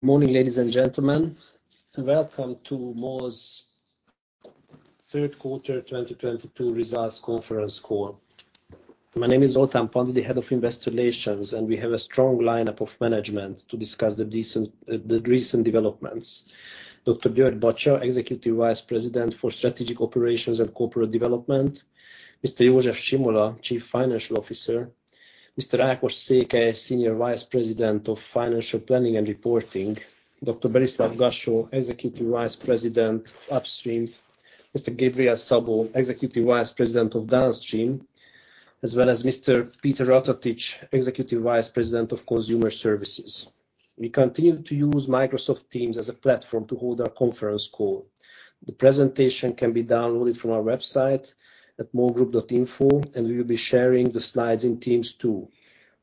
Morning, ladies and gentlemen. Welcome to MOL's Third Quarter 2022 Results Conference Call. My name is Zoltán Pandi, the Head of Investor relations, and we have a strong lineup of management to discuss the recent developments. Dr. György Bacsa, Executive Vice President for Strategic Operations and Corporate Development. Mr. József Simola, Chief Financial Officer. Mr. Ákos Szekely, Senior Vice President of Financial Planning and Reporting. Dr. Berislav Gašo, Executive Vice President, Upstream. Mr. Gabriel Szabó, Executive Vice President of Downstream, as well as Mr. Péter Ratatics, Executive Vice President of Consumer Services. We continue to use Microsoft Teams as a platform to hold our conference call. The presentation can be downloaded from our website at molgroup.info, and we will be sharing the slides in Teams too.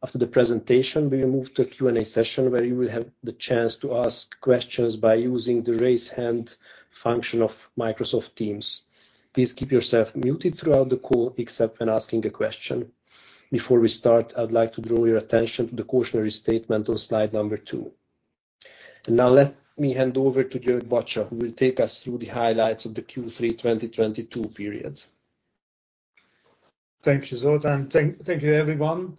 After the presentation, we will move to a Q&A session where you will have the chance to ask questions by using the raise hand function of Microsoft Teams. Please keep yourself muted throughout the call, except when asking a question. Before we start, I'd like to draw your attention to the cautionary statement on slide number two. Now let me hand over to György Bacsa, who will take us through the highlights of the Q3 2022 period. Thank you, Zoltán. Thank you, everyone.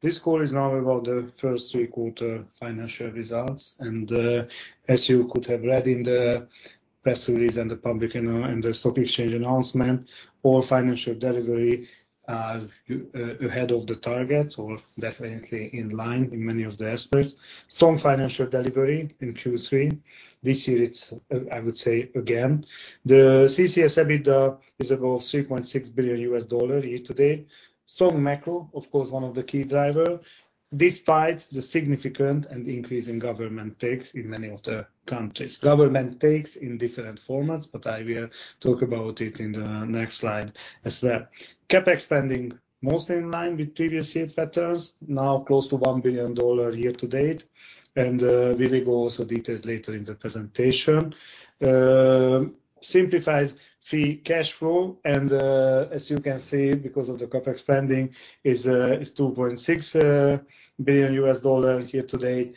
This call is now about the first three quarters financial results. As you could have read in the press release and the public and the stock exchange announcement, all financial delivery ahead of the targets or definitely in line in many of the aspects. Strong financial delivery in Q3. This year it's, I would say again. The CCS EBITDA is above $3.6 billion year to date. Strong macro, of course, one of the key driver, despite the significant and increasing government takes in many of the countries. Government takes in different formats, but I will talk about it in the next slide as well. CapEx spending mostly in line with previous year patterns, now close to $1 billion year to date, and we will also go into details later in the presentation. Simplified free cash flow, as you can see, because of the CapEx spending is $2.6 billion year to date.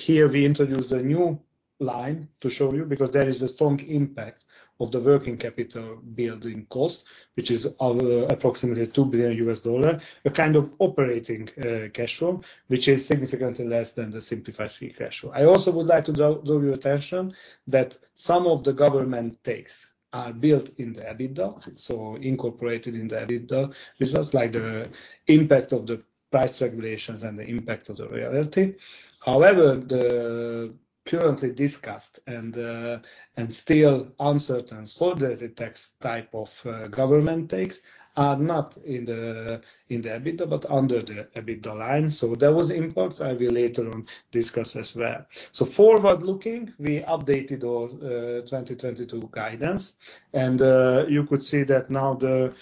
Here we introduced a new line to show you because there is a strong impact of the working capital building cost, which is over approximately $2 billion, a kind of operating cash flow, which is significantly less than the simplified free cash flow. I also would like to draw your attention that some of the government takes are built in the EBITDA, so incorporated in the EBITDA results like the impact of the price regulations and the impact of the royalty. However, the currently discussed and still uncertain solidarity tax type of government takes are not in the EBITDA, but under the EBITDA line. There was impacts I will later on discuss as well. Forward-looking, we updated our 2022 guidance, and you could see that now both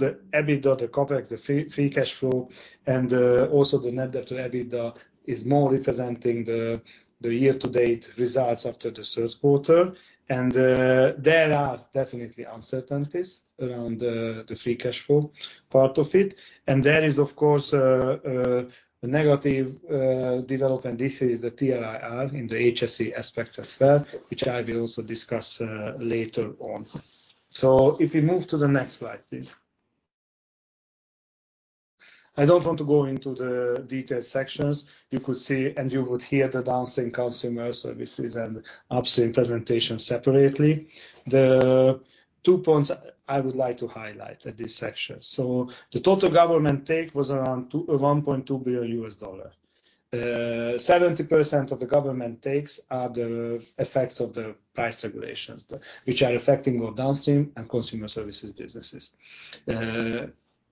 the EBITDA, the CapEx, the free cash flow and also the net debt to EBITDA is more representing the year-to-date results after the third quarter. There are definitely uncertainties around the free cash flow part of it. There is, of course, a negative development. This is the TRIR in the HSE aspects as well, which I will also discuss later on. If we move to the next slide, please. I don't want to go into the detailed sections. You could see and you would hear the Downstream Consumer Services and Upstream presentation separately. The two points I would like to highlight at this section. The total government take was around $1.2 billion. 70% of the government takes are the effects of the price regulations, which are affecting our Downstream and Consumer Services businesses.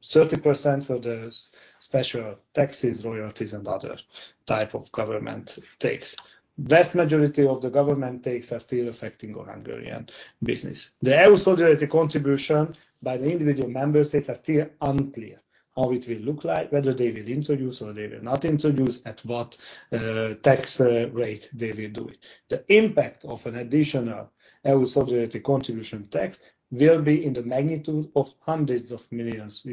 30% for the special taxes, royalties, and other type of government takes. Vast majority of the government takes are still affecting our Hungarian business. The EU Solidarity Contribution by the individual member states are still unclear how it will look like, whether they will introduce or they will not introduce, at what tax rate they will do it. The impact of an additional EU Solidarity Contribution will be in the magnitude of $ hundreds of millions,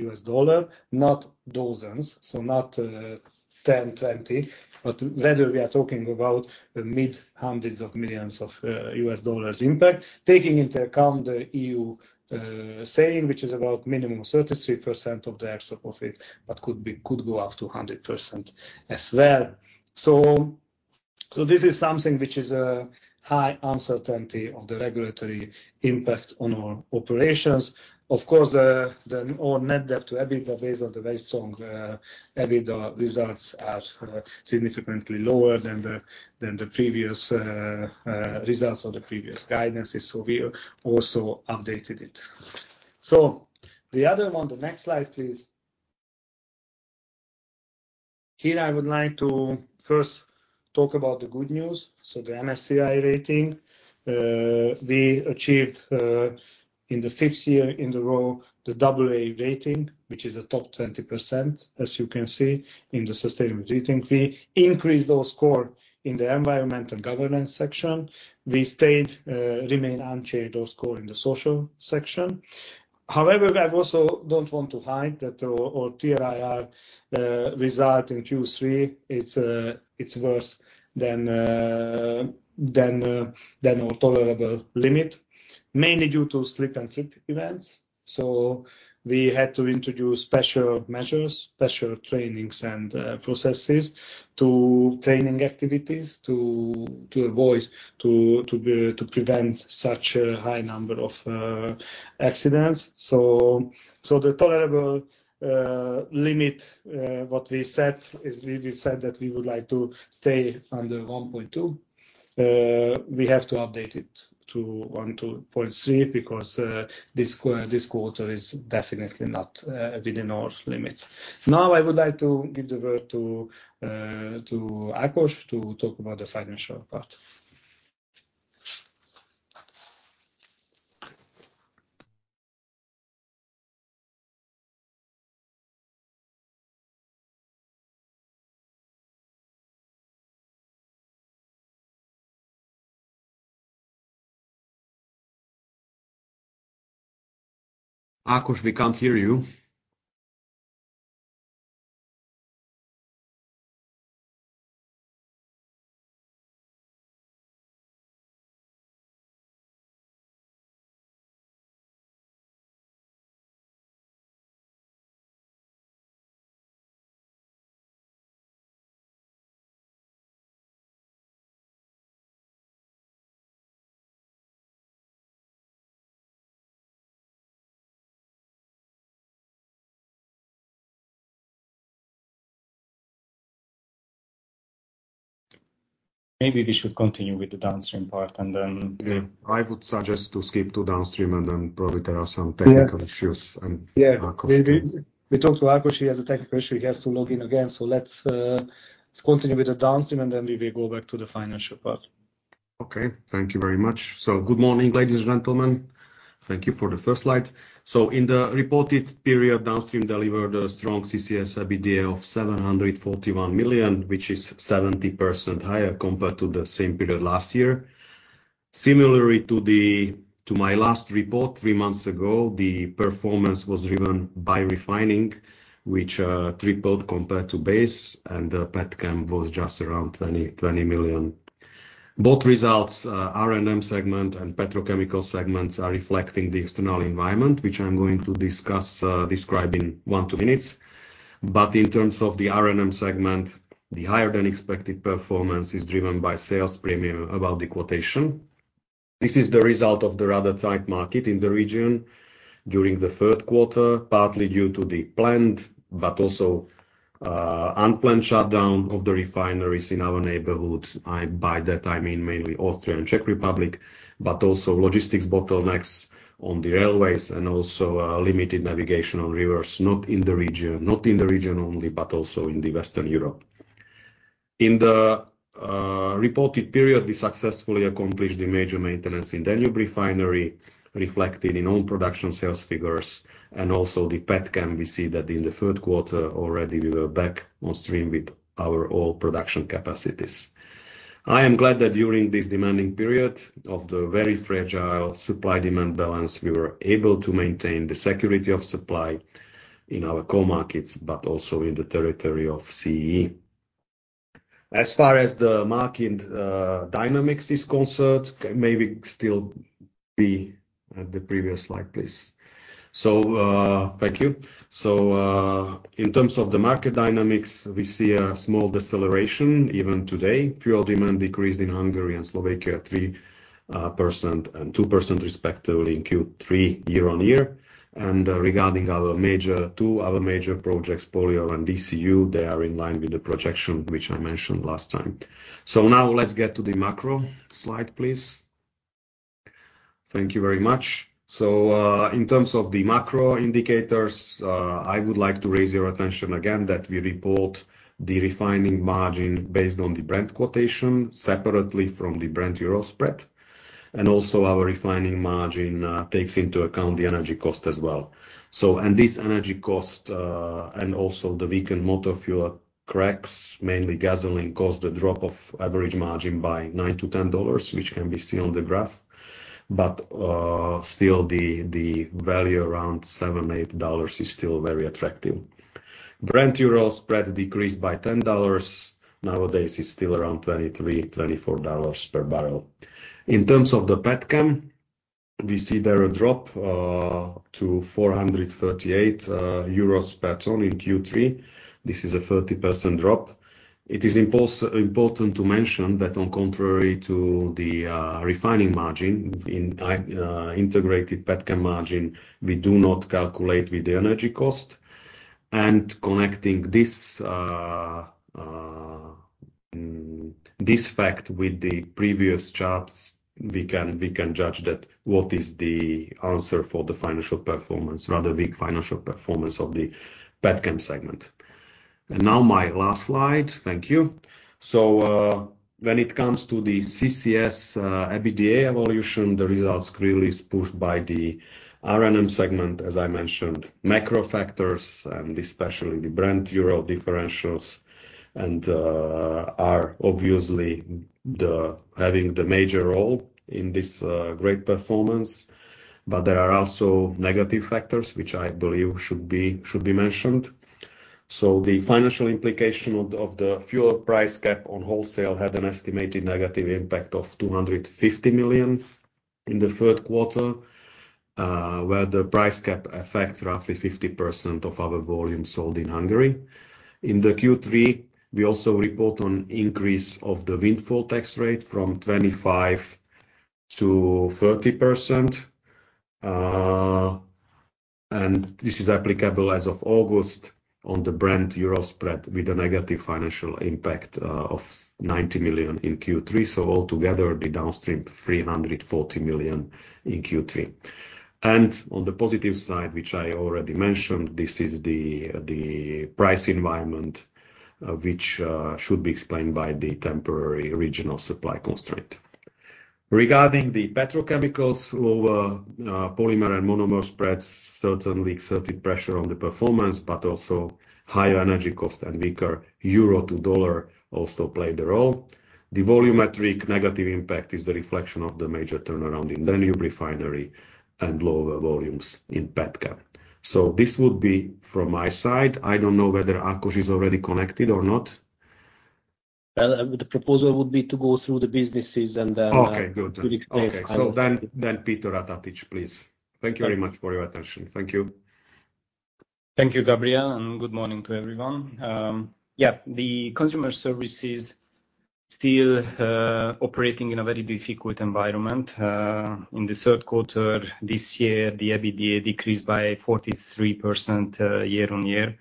not dozens, so not $10 million, $20 million, but rather we are talking about $ mid-hundreds of millions impact, taking into account the EU saying, which is about minimum 33% of the excess profit, but could go up to 100% as well. This is something which is a high uncertainty of the regulatory impact on our operations. Of course, our net debt to EBITDA based on the very strong EBITDA results are significantly lower than the previous results or the previous guidances. We also updated it. The other one, the next slide, please. Here I would like to first talk about the good news. The MSCI rating we achieved in the fifth year in a row the double A rating, which is the top 20%, as you can see, in the sustainability rating. We increased our score in the environmental governance section. We remained unchanged our score in the social section. However, I also don't want to hide that our TRIR result in Q3, it's worse than our tolerable limit. Mainly due to slip and trip events. We had to introduce special measures, special trainings and processes to training activities to prevent such a high number of accidents. The tolerable limit what we set is we said that we would like to stay under 1.2. We have to update it to 1.3 because this quarter is definitely not within our limits. Now, I would like to give the word to Ákos to talk about the financial part. Ákos, we can't hear you. Maybe we should continue with the downstream part, and then. Yeah. I would suggest to skip to downstream, and then probably there are some technical issues. We talked to Ákos. He has a technical issue. He has to log in again. Let's continue with the downstream, and then we will go back to the financial part. Okay. Thank you very much. Good morning, ladies and gentlemen. Thank you for the first slide. In the reported period, downstream delivered a strong CCS EBITDA of $741 million, which is 70% higher compared to the same period last year. Similarly to my last report three months ago, the performance was driven by refining, which tripled compared to base, and the petchem was just around $20 million. Both results, R&M segment and petrochemical segments, are reflecting the external environment, which I'm going to discuss, describe in one, two minutes. In terms of the R&M segment, the higher-than-expected performance is driven by sales premium above the quotation. This is the result of the rather tight market in the region during the third quarter, partly due to the planned, but also unplanned shutdown of the refineries in our neighborhoods. By that, I mean mainly Austria and Czech Republic, but also logistics bottlenecks on the railways and also limited navigation on rivers, not in the region only, but also in Western Europe. In the reported period, we successfully accomplished the major maintenance in Danube Refinery, reflected in own production sales figures. Also the petchem, we see that in the third quarter already we were back on stream with our oil production capacities. I am glad that during this demanding period of the very fragile supply-demand balance, we were able to maintain the security of supply in our core markets, but also in the territory of CEE. As far as the market dynamics is concerned, maybe still be at the previous slide, please. Thank you. In terms of the market dynamics, we see a small deceleration even today. Fuel demand decreased in Hungary and Slovakia at 3% and 2% respectively in Q3 year-on-year. Regarding our two other major projects, Polyolefins and DCU, they are in line with the projection, which I mentioned last time. Now let's get to the macro slide, please. Thank you very much. In terms of the macro indicators, I would like to raise your attention again that we report the refining margin based on the Brent quotation separately from the Brent-Urals spread. Our refining margin takes into account the energy cost as well. This energy cost and also the weakened motor fuel cracks, mainly gasoline, caused the drop of average margin by $9-$10, which can be seen on the graph. Still the value around $7-$8 is still very attractive. Brent-Urals spread decreased by $10. Nowadays, it's still around $23-$24 per barrel. In terms of the petchem, we see there a drop to 438 Urals parity in Q3. This is a 30% drop. It is important to mention that on contrary to the refining margin in integrated petchem margin, we do not calculate with the energy cost. Connecting this fact with the previous charts, we can judge that what is the answer for the financial performance, rather big financial performance of the petchem segment. Now my last slide. Thank you. When it comes to the CCS EBITDA evolution, the results really is pushed by the R&M segment, as I mentioned. Macro factors, and especially the Brent Urals differentials, and, are obviously having the major role in this great performance. There are also negative factors which I believe should be mentioned. The financial implication of the fuel price cap on wholesale had an estimated negative impact of 250 million in the third quarter, where the price cap affects roughly 50% of our volume sold in Hungary. In the Q3, we also report on increase of the windfall tax rate from 25% to 30%. This is applicable as of August on the Brent Euro spread with a negative financial impact of 90 million in Q3. All together, the downstream, 340 million in Q3. On the positive side, which I already mentioned, this is the price environment, which should be explained by the temporary regional supply constraint. Regarding the petrochemicals, lower polymer and monomer spreads certainly exerted pressure on the performance, but also higher energy cost and weaker euro to dollar also played a role. The volumetric negative impact is the reflection of the major turnaround in Danube refinery and lower volumes in petchem. This would be from my side. I don't know whether Ákos is already connected or not. Well, the proposal would be to go through the businesses and then. Okay. Good. To detail. Okay. Péter Ratatics, please. Thank you very much for your attention. Thank you. Thank you, Gabriel, and good morning to everyone. Yeah, the consumer services still operating in a very difficult environment. In the third quarter this year, the EBITDA decreased by 43% year-on-year.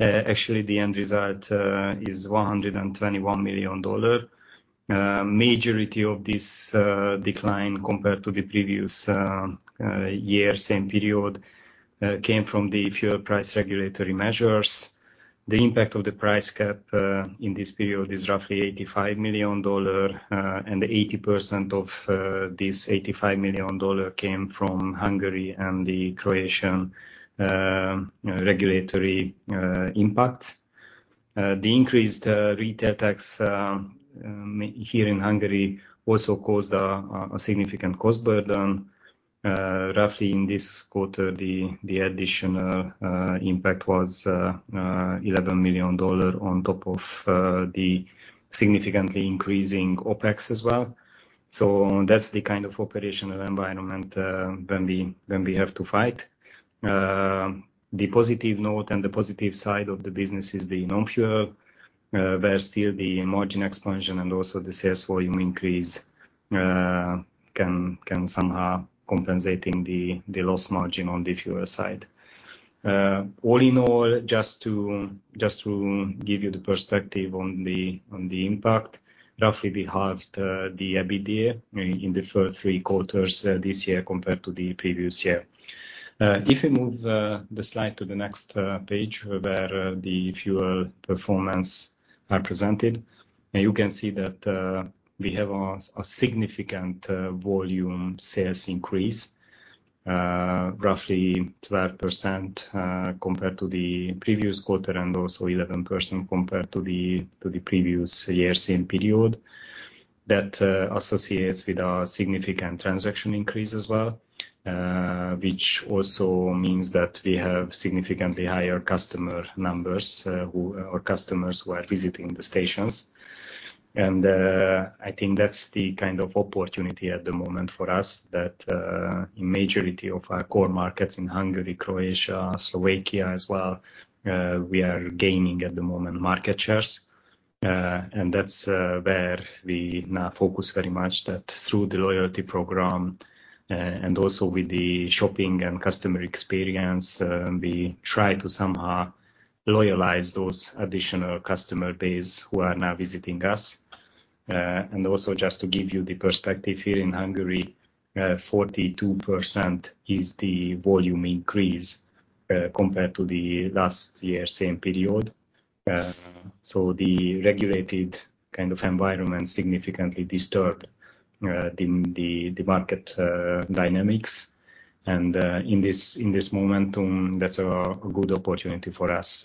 Actually, the end result is $121 million. Majority of this decline compared to the previous year same period came from the fuel price regulatory measures. The impact of the price cap in this period is roughly $85 million, and 80% of this $85 million came from Hungary and the Croatian regulatory impact. The increased retail tax here in Hungary also caused a significant cost burden. Roughly in this quarter, the additional impact was $11 million on top of the significantly increasing OpEx as well. That's the kind of operational environment when we have to fight. The positive note and the positive side of the business is the non-fuel, where still the margin expansion and also the sales volume increase can somehow compensating the loss margin on the fuel side. All in all, just to give you the perspective on the impact, roughly we halved the EBITDA in the first three quarters this year compared to the previous year. If we move the slide to the next page where the fuel performance are presented, and you can see that we have a significant volume sales increase roughly 12% compared to the previous quarter, and also 11% compared to the previous year same period. That associates with our significant transaction increase as well, which also means that we have significantly higher customer numbers or customers who are visiting the stations. I think that's the kind of opportunity at the moment for us that in majority of our core markets in Hungary, Croatia, Slovakia as well we are gaining at the moment market shares. That's where we now focus very much that through the loyalty program, and also with the shopping and customer experience, we try to somehow loyalize those additional customer base who are now visiting us. Just to give you the perspective here in Hungary, 42% is the volume increase, compared to the last year same period. The regulated kind of environment significantly disturbed the market dynamics. In this momentum, that's a good opportunity for us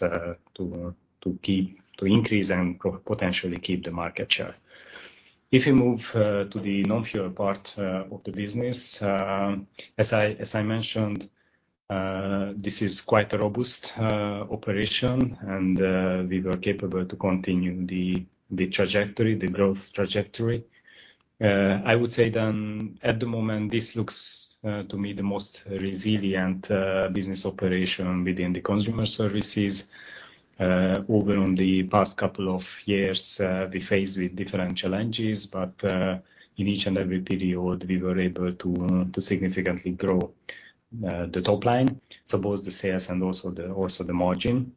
to increase and potentially keep the market share. If you move to the non-fuel part of the business, as I mentioned, this is quite a robust operation, and we were capable to continue the trajectory, the growth trajectory. I would say at the moment, this looks to me the most resilient business operation within the consumer services. Over the past couple of years, we faced with different challenges, but in each and every period, we were able to significantly grow the top line. Both the sales and also the margin.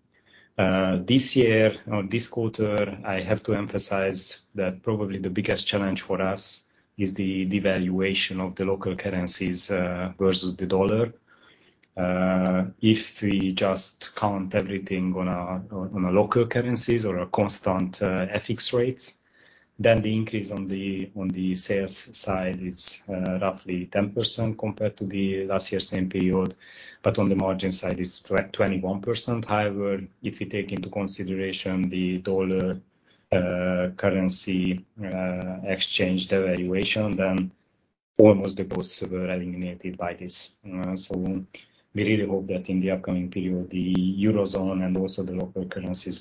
This year or this quarter, I have to emphasize that probably the biggest challenge for us is the devaluation of the local currencies versus the U.S. dollar. If we just count everything in local currencies or at constant FX rates, then the increase on the sales side is roughly 10% compared to the last year same period, but on the margin side is 21%. However, if you take into consideration the dollar currency exchange devaluation, then almost the costs were eliminated by this. So we really hope that in the upcoming period, the Eurozone and also the local currencies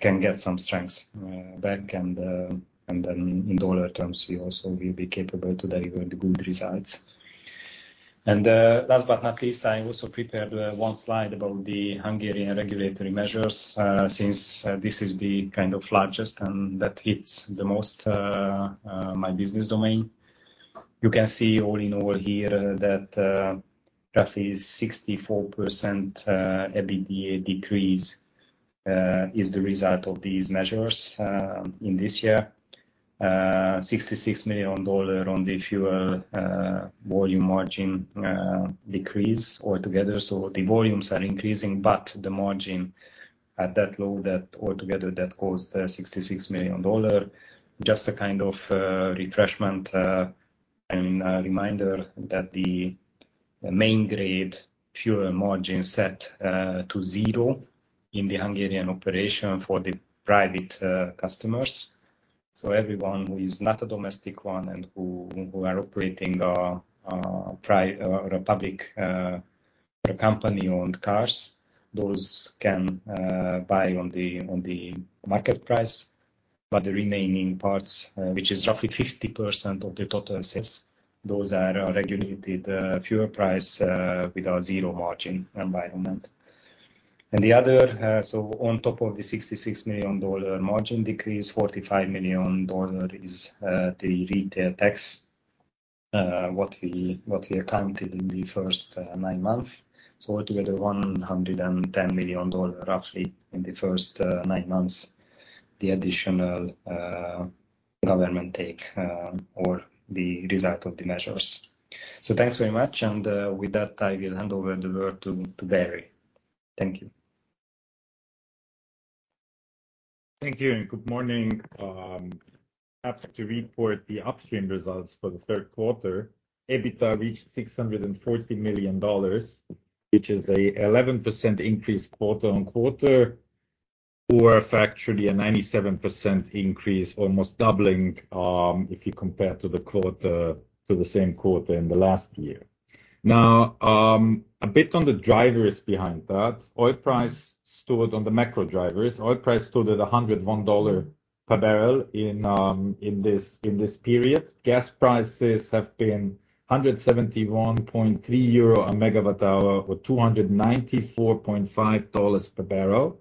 can get some strength back and then in dollar terms, we also will be capable to deliver the good results. Last but not least, I also prepared one slide about the Hungarian regulatory measures, since this is the kind of largest and that hits the most my business domain. You can see all in all here that roughly 64% EBITDA decrease is the result of these measures in this year. $66 million on the fuel volume margin decrease altogether. The volumes are increasing, but the margin at that low, that altogether, that cost $66 million. Just a kind of refreshment and a reminder that the main grade fuel margin set to zero in the Hungarian operation for the private customers. Everyone who is not a domestic one and who are operating public company-owned cars, those can buy on the market price. The remaining parts, which is roughly 50% of the total sales, those are regulated fuel price with a zero-margin environment. On top of the $66 million margin decrease, $45 million is the retail tax what we accounted in the first nine months. Altogether $110 million roughly in the first nine months, the additional government take or the result of the measures. Thanks very much and with that, I will hand over the word to Berislav Gašo. Thank you. Thank you and good morning. Happy to report the upstream results for the third quarter. EBITDA reached $640 million, which is an 11% increase quarter-on-quarter, or actually a 97% increase, almost doubling, if you compare to the same quarter in the last year. Now, a bit on the drivers behind that. Oil price stood at $101 per barrel in this period. Gas prices have been 171.3 euro a megawatt hour or $294.5 per barrel,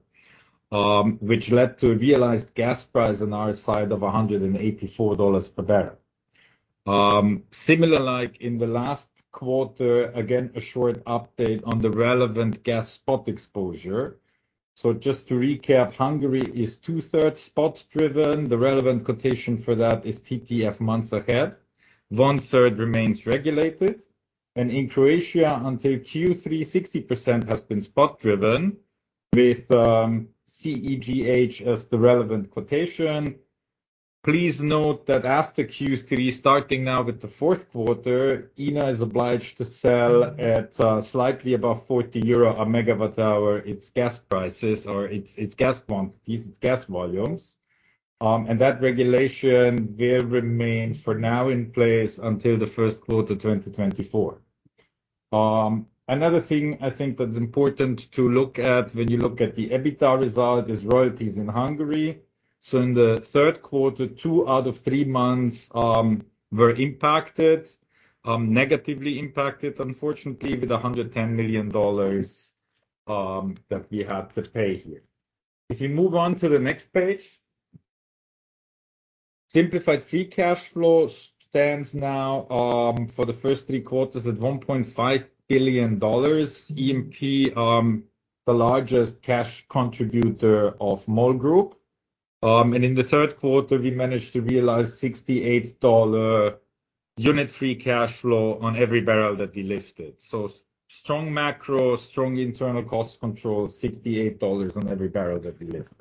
which led to a realized gas price on our side of $184 per barrel. Similar like in the last quarter, again, a short update on the relevant gas spot exposure. Just to recap, Hungary is two-thirds spot-driven. The relevant quotation for that is TTF months ahead. One-third remains regulated. In Croatia, until Q3, 60% has been spot-driven with CEGH as the relevant quotation. Please note that after Q3, starting now with the fourth quarter, INA is obliged to sell at slightly above 40 euro a megawatt hour its gas prices or its gas volumes. That regulation will remain for now in place until the first quarter 2024. Another thing I think that's important to look at when you look at the EBITDA result is royalties in Hungary. In the third quarter, two out of three months were negatively impacted, unfortunately, with $110 million that we had to pay here. If you move on to the next page. Simplified free cash flow stands now for the first three quarters at $1.5 billion, the largest cash contributor of MOL Group. In the third quarter, we managed to realize $68 unit free cash flow on every barrel that we lifted. Strong macro, strong internal cost control, $68 on every barrel that we lifted.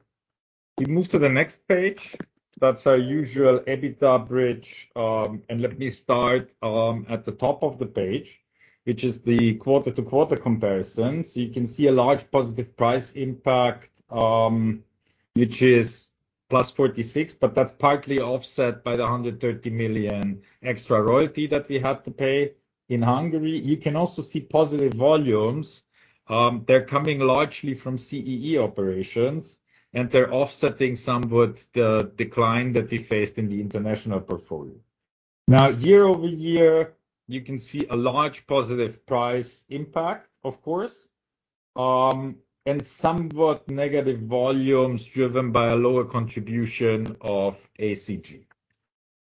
We move to the next page. That's our usual EBITDA bridge. Let me start at the top of the page, which is the quarter-to-quarter comparison. You can see a large positive price impact, which is +$46 million, but that's partly offset by the $130 million extra royalty that we had to pay in Hungary. You can also see positive volumes. They're coming largely from CEE operations, and they're offsetting somewhat the decline that we faced in the international portfolio. Now year-over-year, you can see a large positive price impact, of course, and somewhat negative volumes driven by a lower contribution of ACG.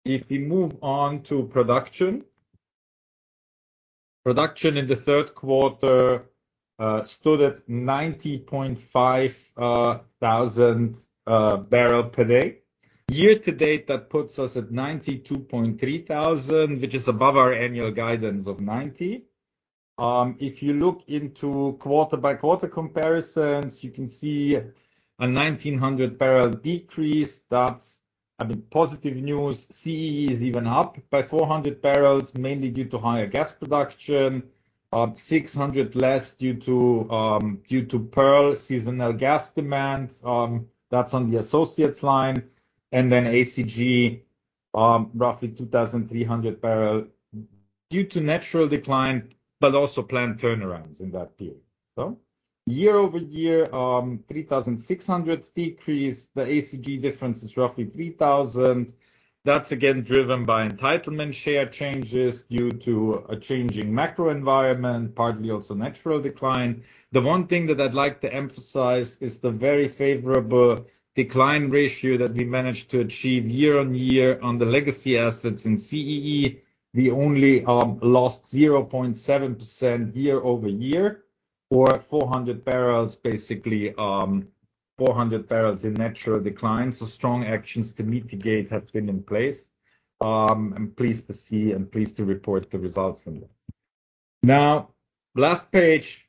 If we move on to production. Production in the third quarter stood at 90.5 thousand barrels per day. Year to date, that puts us at 92.3 thousand, which is above our annual guidance of 90. If you look into quarter-by-quarter comparisons, you can see a 1,900-barrel decrease. That's, I mean, positive news. CEE is even up by 400 barrels, mainly due to higher gas production. 600 less due to Pearl seasonal gas demand, that's on the associates line. ACG, roughly 2,300 barrels due to natural decline, but also planned turnarounds in that period. Year-over-year, 3,600 decrease. The ACG difference is roughly 3,000. That's again driven by entitlement share changes due to a changing macro environment, partly also natural decline. The one thing that I'd like to emphasize is the very favorable decline ratio that we managed to achieve year-on-year on the legacy assets. In CEE, we only lost 0.7% year-over-year or 400 barrels, basically 400 barrels in natural decline. Strong actions to mitigate have been in place. I'm pleased to see and pleased to report the results on that. Now, last page.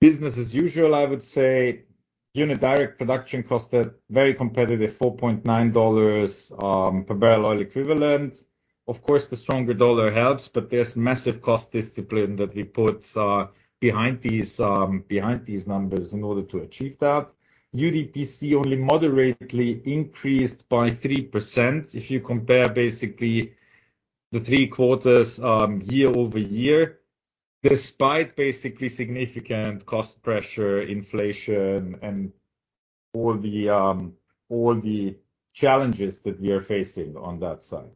Business as usual, I would say. Unit direct production cost at very competitive $4.9 per barrel oil equivalent. Of course, the stronger dollar helps, but there's massive cost discipline that we put behind these numbers in order to achieve that. UDPC only moderately increased by 3% if you compare basically the three quarters year-over-year, despite basically significant cost pressure, inflation, and all the challenges that we are facing on that side.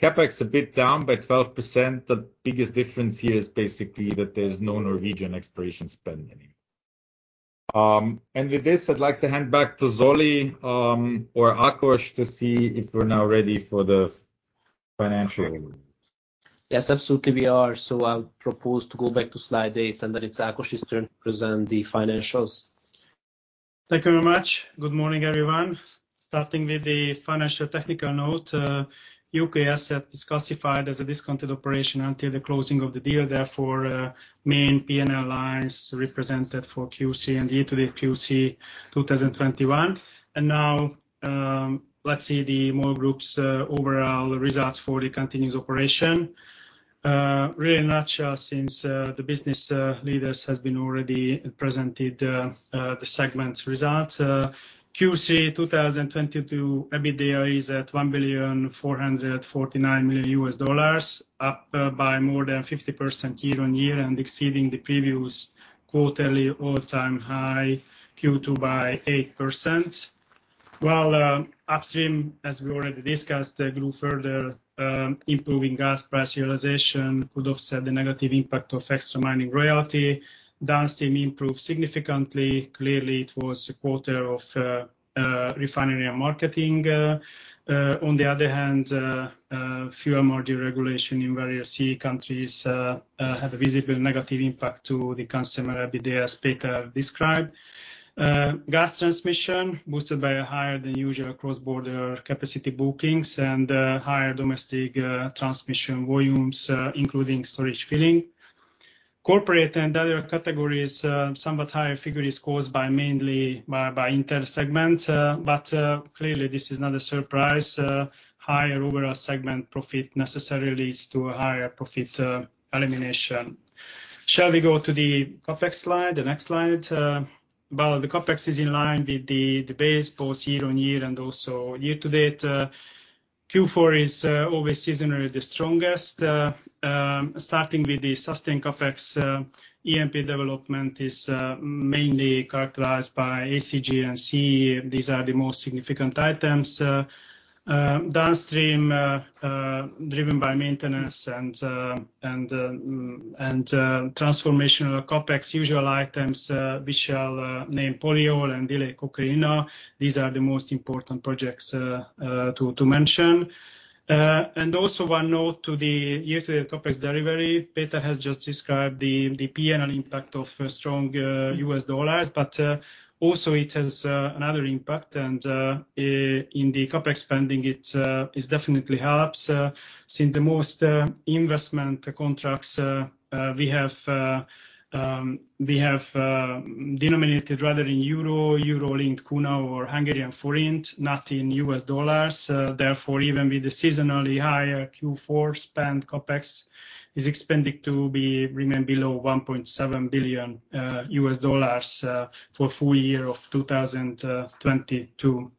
CapEx a bit down by 12%. The biggest difference here is basically that there's no Norwegian exploration spend anymore. With this, I'd like to hand back to Zoli or Ákos to see if we're now ready for the financial. Yes, absolutely we are. I'll propose to go back to slide eight, and then it's Ákos's turn to present the financials. Thank you very much. Good morning, everyone. Starting with the financial technical note, UK Asset is classified as a discontinued operation until the closing of the deal. Therefore, main P&L lines represented for Q2 and year-to-date Q2 2021. Now, let's see the MOL Group's overall results for the continuing operations. Really in a nutshell, since the business leaders has been already presented the segment results. Q2 2022 EBITDA is at $1.449 billion, up by more than 50% year-on-year and exceeding the previous quarterly all-time high, Q2 by 8%. While upstream, as we already discussed, grew further, improving gas price realization could offset the negative impact of extra mining royalty. Downstream improved significantly. Clearly, it was a quarter of refinery and marketing. On the other hand, fuel margin regulation in various CEE countries had a visible negative impact to the Consumer EBITDA, as Peter described. Gas transmission boosted by a higher-than-usual cross-border capacity bookings and higher domestic transmission volumes, including storage filling. Corporate and other categories, somewhat higher figure is caused mainly by inter-segment. Clearly this is not a surprise. Higher overall segment profit necessarily leads to a higher profit elimination. Shall we go to the CapEx slide? The next slide. The CapEx is in line with the base both year-on-year and also year-to-date. Q4 is always seasonally the strongest. Starting with the sustained CapEx, E&P development is mainly characterized by ACG and CCS. These are the most significant items. Downstream, driven by maintenance and transformational CapEx usual items, we shall name Polyol and Delayed Coker Unit. These are the most important projects to mention. Also one note to the year-to-date CapEx delivery. Peter has just described the P&L impact of a strong U.S. dollar, but also it has another impact in the CapEx spending, it definitely helps, since the most investment contracts we have denominated rather in euro-linked kuna or Hungarian forint, not in U.S. dollars. Therefore, even with the seasonally higher Q4 spend, CapEx is expected to remain below $1.7 billion for full year of 2022.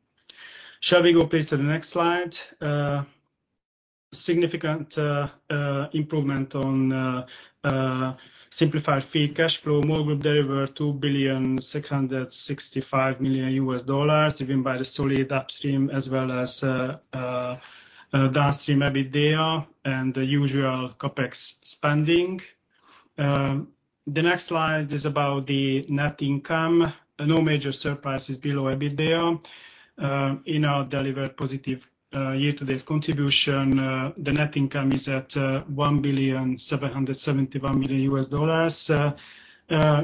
Shall we go please to the next slide? Significant improvement on simplified free cash flow. MOL Group delivered $2.665 billion, driven by the solid upstream as well as downstream EBITDA and the usual CapEx spending. The next slide is about the net income. No major surprises below EBITDA. Upstream delivered positive year-to-date contribution, the net income is at $1.771 billion,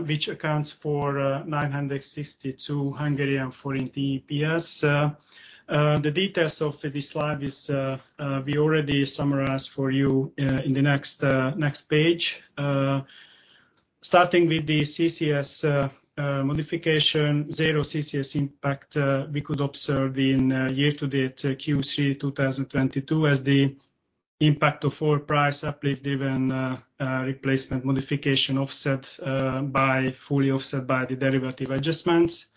which accounts for 962 HUF EPS. The details of this slide is, we already summarized for you in the next page. Starting with the CCS modification, zero CCS impact we could observe in year-to-date Q3 2022 as the impact of oil price uplift driven replacement modification offset by fully offset by the derivative adjustments.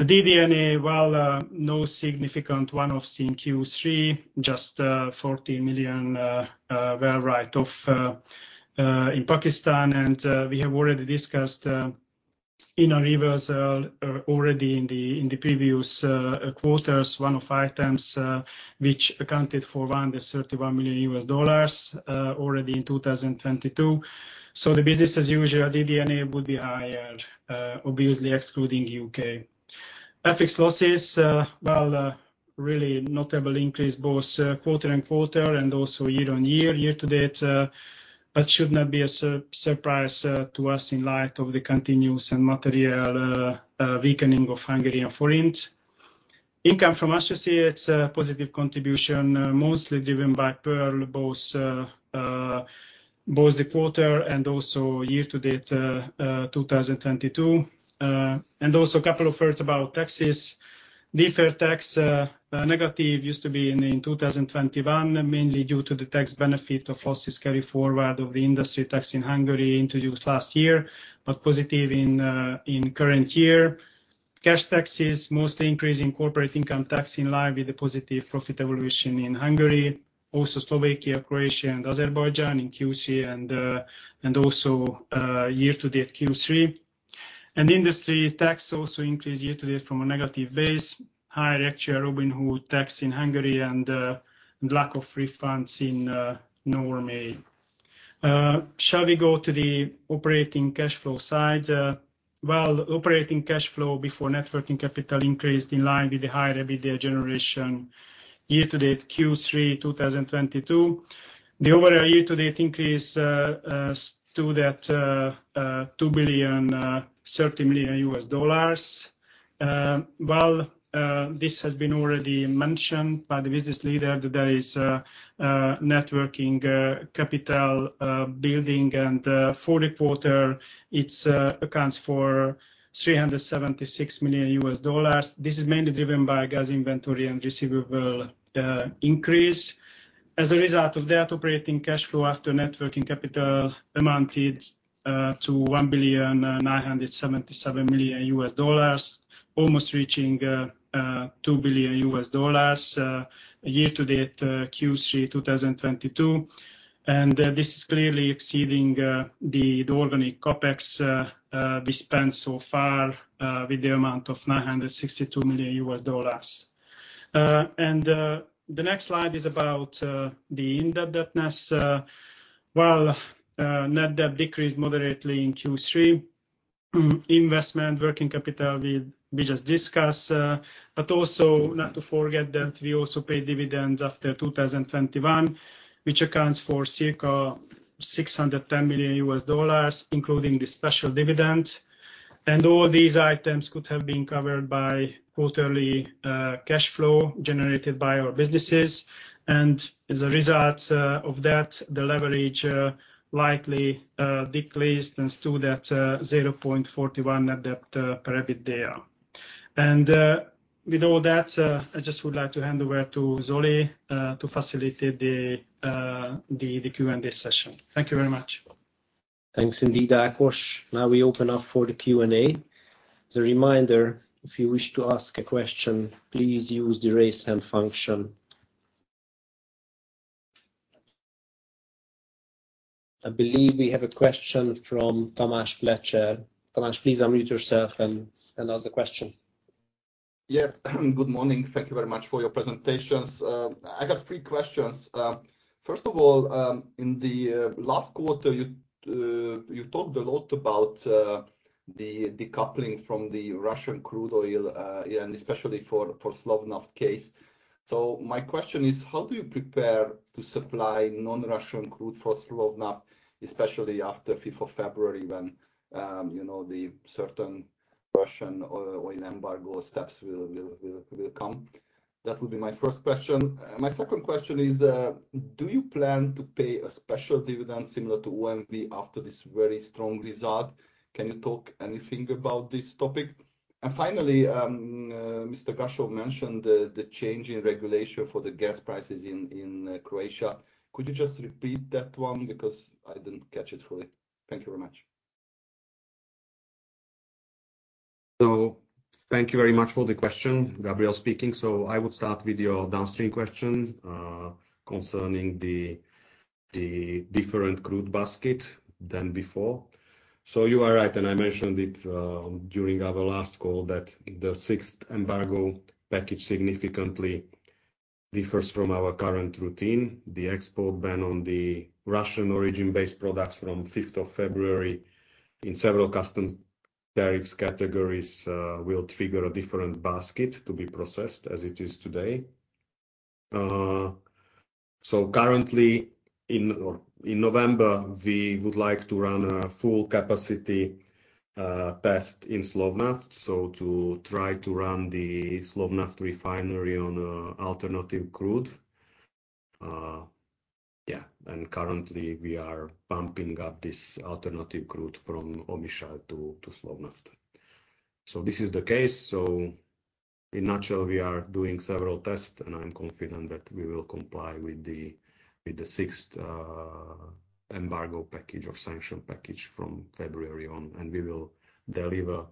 The DD&A no significant one-offs in Q3, just $40 million write-off in Pakistan. We have already discussed in our reversal already in the previous quarters one-off items which accounted for $131 million already in 2022. The business as usual DD&A would be higher obviously excluding UK. FX losses, really notable increase both quarter-over-quarter and also year-on-year, year-to-date, but should not be a surprise to us in light of the continuous and material weakening of Hungarian forint. Income from associates, positive contribution, mostly driven by Pearl, both the quarter and also year-to-date 2022. A couple of words about taxes. Deferred tax, negative used to be in 2021, mainly due to the tax benefit of losses carry forward of the industry tax in Hungary introduced last year, but positive in current year. Cash taxes mostly increase in corporate income tax in line with the positive profit evolution in Hungary, also Slovakia, Croatia and Azerbaijan in Q3 and also year-to-date Q3. Industry tax also increased year-to-date from a negative base, higher actual Robin Hood tax in Hungary and lack of refunds in Norway. Shall we go to the operating cash flow side? Operating cash flow before net working capital increased in line with the higher EBITDA generation year-to-date Q3 2022. The overall year-to-date increase stood at $2.03 billion. This has been already mentioned by the business leader that there is net working capital building and for the quarter it accounts for $376 million. This is mainly driven by gas inventory and receivable increase. As a result of that, operating cash flow after net working capital amounted to $1.977 billion, almost reaching $2 billion year-to-date Q3 2022. This is clearly exceeding the organic CapEx we spent so far with the amount of $962 million. The next slide is about the net debt. Well, net debt decreased moderately in Q3. Investment working capital we just discussed, but also not to forget that we also paid dividends after 2021, which accounts for circa $610 million, including the special dividend. All these items could have been covered by quarterly cash flow generated by our businesses. As a result of that, the leverage likely decreased and stood at 0.41x EBITDA. With all that, I just would like to hand over to Zoltán Pandi to facilitate the Q&A session. Thank you very much. Thanks indeed, Ákos. Now we open up for the Q&A. As a reminder, if you wish to ask a question, please use the raise hand function. I believe we have a question from Tamás Pletser. Tamás, please unmute yourself and ask the question. Yes. Good morning. Thank you very much for your presentations. I got three questions. First of all, in the last quarter, you talked a lot about the decoupling from the Russian crude oil, yeah, and especially for the Slovnaft case. So my question is, how do you prepare to supply non-Russian crude for Slovnaft, especially after fifth of February when, you know, the certain Russian oil embargo steps will come? That would be my first question. My second question is, do you plan to pay a special dividend similar to OMV after this very strong result? Can you talk anything about this topic? And finally, Mr. Gašo mentioned the change in regulation for the gas prices in Croatia. Could you just repeat that one because I didn't catch it fully? Thank you very much. Thank you very much for the question. Gabriel Szabó speaking. I would start with your downstream question concerning the different crude basket than before. You are right, and I mentioned it during our last call that the sixth embargo package significantly differs from our current routine. The export ban on the Russian origin-based products from fifth of February in several customs tariffs categories will trigger a different basket to be processed as it is today. Currently in November, we would like to run a full capacity best in Slovnaft. To try to run the Slovnaft refinery on alternative crude. Yeah. Currently we are pumping up this alternative route from Omišalj to Slovnaft. This is the case. In a nutshell, we are doing several tests, and I'm confident that we will comply with the sixth embargo package or sanction package from February on, and we will deliver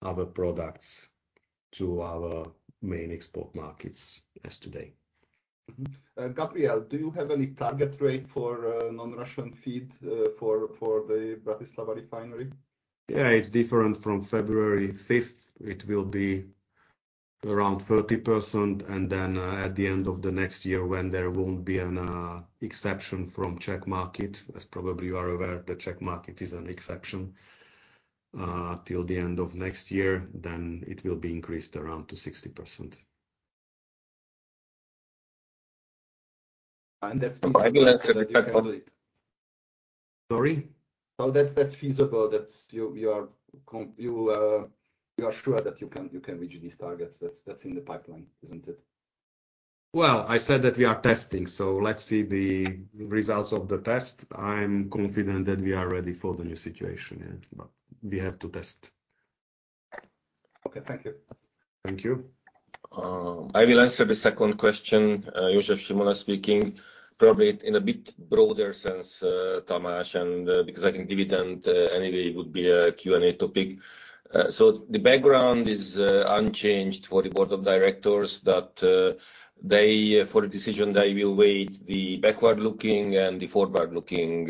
other products to our main export markets as today. Gabriel, do you have any target rate for non-Russian feed for the Bratislava Refinery? Yeah, it's different from February fifth. It will be around 30%, and then at the end of the next year when there won't be an exception from Czech market. As probably you are aware, the Czech market is an exception till the end of next year, then it will be increased around to 60%. And that's- I will answer the second. Sorry? That's feasible. You are sure that you can reach these targets. That's in the pipeline, isn't it? Well, I said that we are testing, so let's see the results of the test. I'm confident that we are ready for the new situation, yeah. We have to test. Okay. Thank you. Thank you. I will answer the second question. József Simola speaking. Probably in a bit broader sense, Tamás Pletser, and because I think dividend anyway would be a Q&A topic. The background is unchanged for the board of directors that for the decision, they will weigh the backward-looking and the forward-looking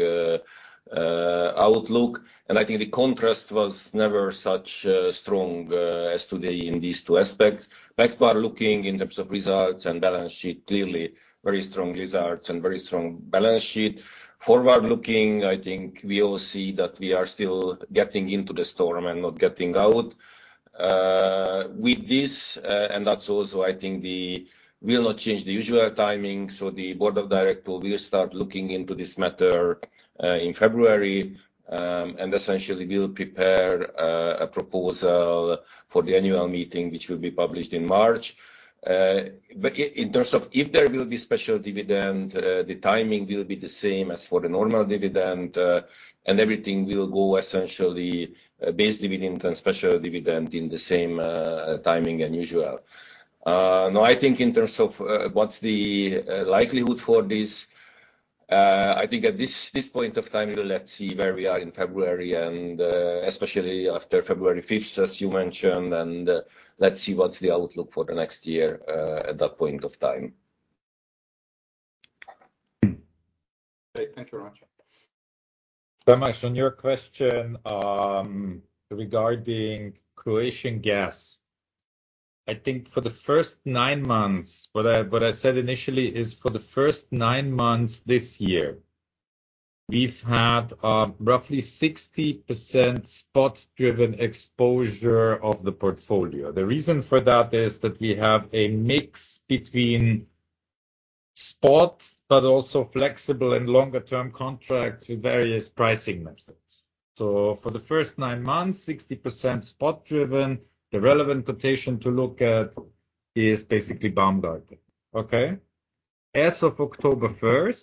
outlook. I think the contrast was never such strong as today in these two aspects. Backward-looking in terms of results and balance sheet, clearly very strong results and very strong balance sheet. Forward-looking, I think we all see that we are still getting into the storm and not getting out. With this, and that's also I think the. We'll not change the usual timing. The board of director will start looking into this matter in February. Essentially will prepare a proposal for the annual meeting, which will be published in March. In terms of if there will be special dividend, the timing will be the same as for the normal dividend, and everything will go essentially base dividend and special dividend in the same timing and usual. Now I think in terms of what's the likelihood for this, I think at this point of time, let's see where we are in February and especially after February fifth, as you mentioned, and let's see what's the outlook for the next year at that point of time. Great. Thank you very much. Tamás, on your question, regarding Croatian gas. I think for the first nine months, what I said initially is for the first nine months this year, we've had roughly 60% spot-driven exposure of the portfolio. The reason for that is that we have a mix between spot but also flexible and longer-term contracts with various pricing methods. For the first nine months, 60% spot-driven. The relevant quotation to look at is basically Baumgarten. Okay. As of October 1,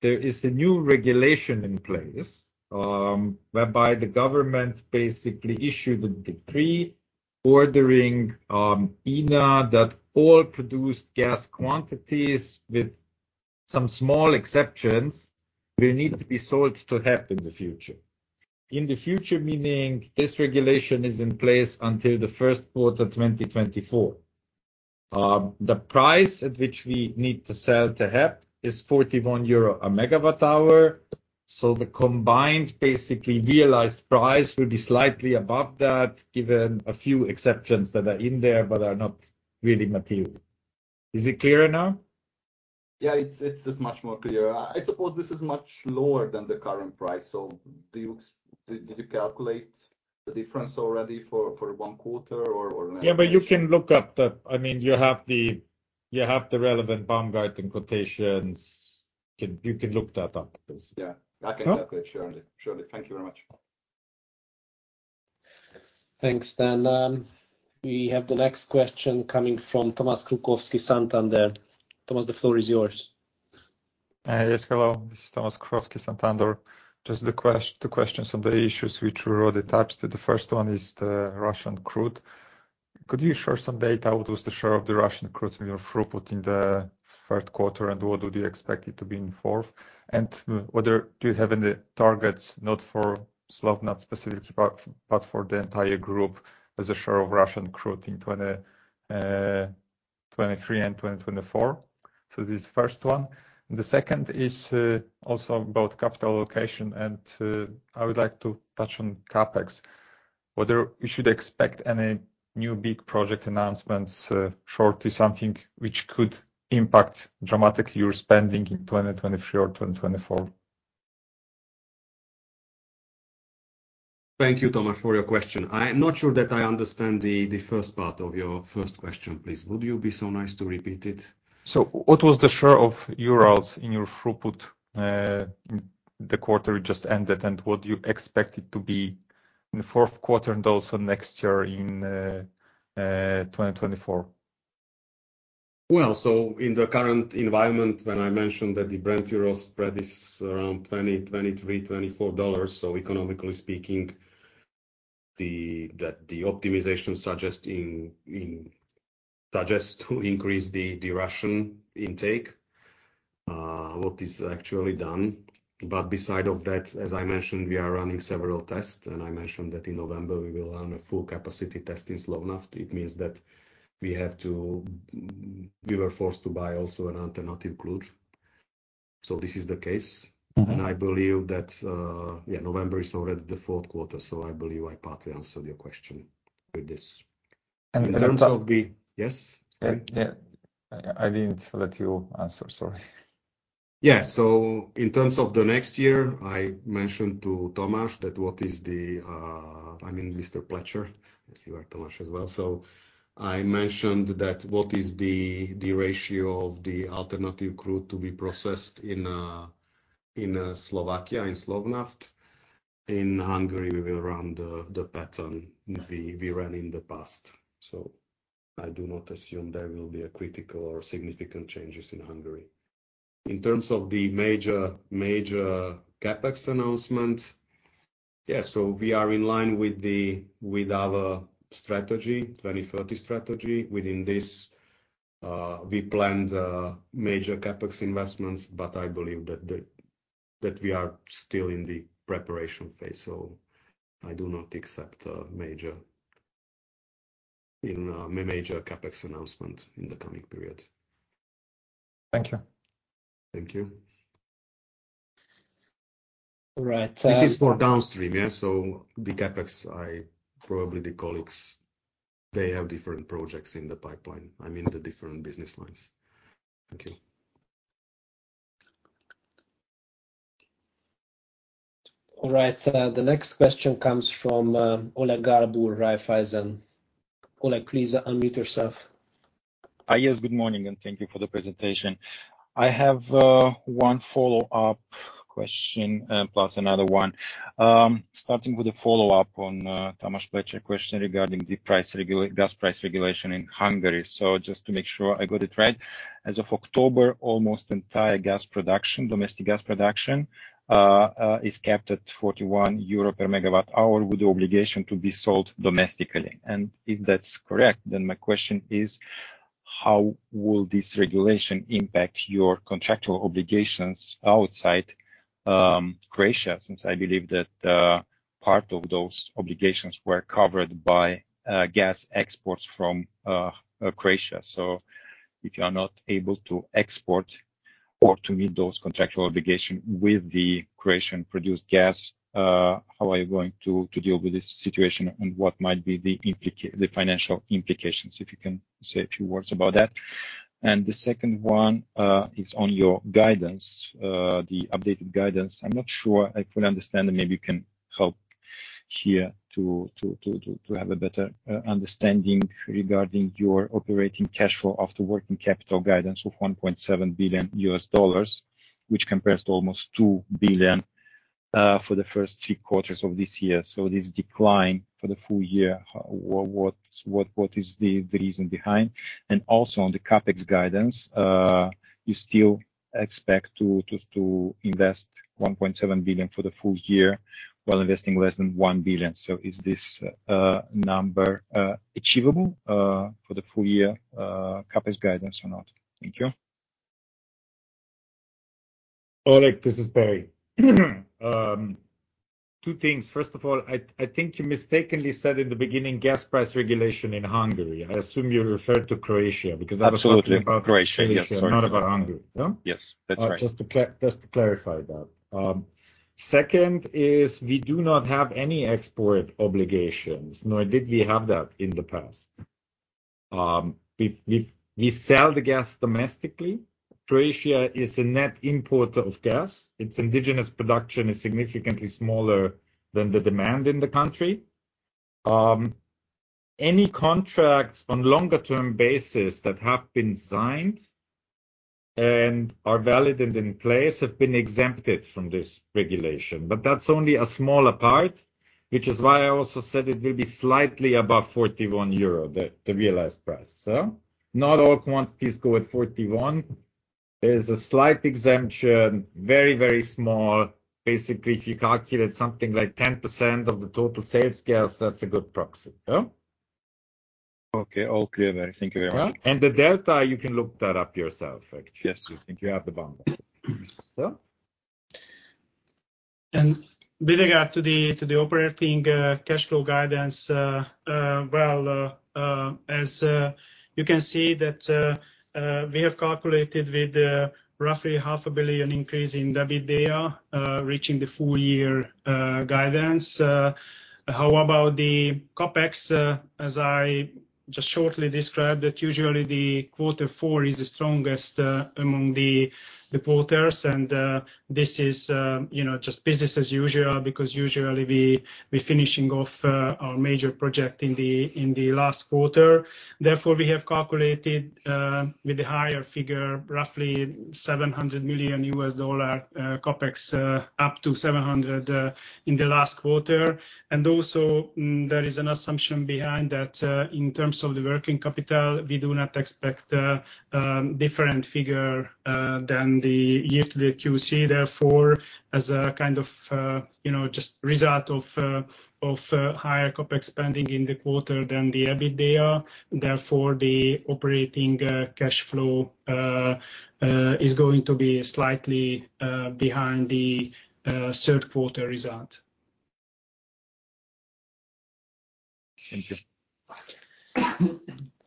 there is a new regulation in place, whereby the government basically issued a decree ordering INA that all produced gas quantities, with some small exceptions, will need to be sold to HEP in the future. In the future meaning this regulation is in place until the first quarter 2024. The price at which we need to sell to HEP is 41 euro a megawatt hour. The combined basically realized price will be slightly above that, given a few exceptions that are in there but are not really material. Is it clearer now? Yeah. It's much more clearer. I suppose this is much lower than the current price. Did you calculate the difference already for one quarter or next- Yeah, you can look up the, I mean, you have the relevant Baumgarten quotations. You can look that up. Yeah. No? I can calculate, surely. Thank you very much. Thanks. We have the next question coming from Tomasz Krukowski, Santander. Tomasz, the floor is yours. Hello. This is Tomasz Krukowski, Santander. Just two questions on the issues which were already touched. The first one is the Russian crude. Could you share some data? What was the share of the Russian crude in your throughput in the third quarter, and what would you expect it to be in fourth? And whether you have any targets, not for Slovnaft specifically, but for the entire group as a share of Russian crude in 2023 and 2024? This is the first one. The second is also about capital allocation, and I would like to touch on CapEx. Whether we should expect any new big project announcements shortly, something which could impact dramatically your spending in 2023 or 2024. Thank you, Tomasz, for your question. I am not sure that I understand the first part of your first question. Please, would you be so nice to repeat it? What was the share of Urals in your throughput, the quarter just ended, and what do you expect it to be? In the fourth quarter and also next year in 2024. In the current environment, when I mentioned that the Brent/Urals spread is around $20-$23-$24, economically speaking, that the optimization suggests to increase the Russian intake, what is actually done. Besides that, as I mentioned, we are running several tests, and I mentioned that in November we will run a full capacity test in Slovnaft. It means that we were forced to buy also an alternative crude. This is the case. Mm-hmm. I believe that November is already the fourth quarter. I believe I partly answered your question with this. And-and- Yes, Berislav Gašo? Yeah. I didn't let you answer, sorry. Yeah. In terms of the next year, I mentioned to Tamás, I mean, Mr. Pletser, yes, you are Tomasz as well, what the ratio of the alternative crude to be processed in Slovakia, in Slovnaft is. In Hungary, we will run the pattern we ran in the past. I do not assume there will be critical or significant changes in Hungary. In terms of the major CapEx announcement, yeah, we are in line with our 20-30 strategy. Within this, we planned major CapEx investments, but I believe that we are still in the preparation phase, so I do not expect major, you know, CapEx announcement in the coming period. Thank you. Thank you. All right. This is for downstream, yeah? The CapEx, probably the colleagues, they have different projects in the pipeline. I mean, the different business lines. Thank you. All right. The next question comes from Oleg Galbur, Raiffeisen. Oleg, please unmute yourself. Good morning, and thank you for the presentation. I have one follow-up question, plus another one. Starting with a follow-up on Tamás Pletser question regarding the gas price regulation in Hungary. Just to make sure I got it right, as of October, almost entire gas production, domestic gas production, is capped at 41 euro per megawatt hour with the obligation to be sold domestically. If that's correct, then my question is: How will this regulation impact your contractual obligations outside Croatia? Since I believe that part of those obligations were covered by gas exports from Croatia. If you are not able to export or to meet those contractual obligation with the Croatian-produced gas, how are you going to deal with this situation, and what might be the financial implications? If you can say a few words about that. The second one is on your guidance, the updated guidance. I'm not sure I fully understand, and maybe you can help here to have a better understanding regarding your operating cash flow of the working capital guidance of $1.7 billion, which compares to almost $2 billion for the first three quarters of this year. This decline for the full year, what is the reason behind? Also on the CapEx guidance, you still expect to invest $1.7 billion for the full year while investing less than $1 billion. Is this number achievable for the full year CapEx guidance or not? Thank you. Oleg, this is Berislav Gašo. Two things. First of all, I think you mistakenly said in the beginning gas price regulation in Hungary. I assume you referred to Croatia because- Absolutely. Croatia, yes, sorry. I was talking about Croatia, not about Hungary. No? Yes. That's right. Just to clarify that. Second is we do not have any export obligations, nor did we have that in the past. We sell the gas domestically. Croatia is a net importer of gas. Its indigenous production is significantly smaller than the demand in the country. Any contracts on longer-term basis that have been signed and are valid and in place have been exempted from this regulation. That's only a smaller part, which is why I also said it will be slightly above 41 euro, the realized price. Not all quantities go at 41. There's a slight exemption, very, very small. Basically, if you calculate something like 10% of the total sales gas, that's a good proxy. Yeah? Okay. All clear. Thank you very much. The delta, you can look that up yourself, actually. Yes. I think you have the bundle. With regard to the operating cash flow guidance, well, as you can see that, we have calculated with roughly half a billion increase in EBITDA, reaching the full year guidance. How about the CapEx? As I just shortly described, that usually the quarter four is the strongest among the quarters. This is, you know, just business as usual, because usually we finishing off our major project in the last quarter. Therefore, we have calculated with the higher figure, roughly $700 million CapEx, up to $700 million in the last quarter. Also, there is an assumption behind that, in terms of the working capital. We do not expect a different figure than the year-to-date Q3. Therefore, as a kind of, you know, just result of higher CapEx spending in the quarter than the EBITDA, therefore the operating cash flow is going to be slightly behind the third quarter result. Thank you.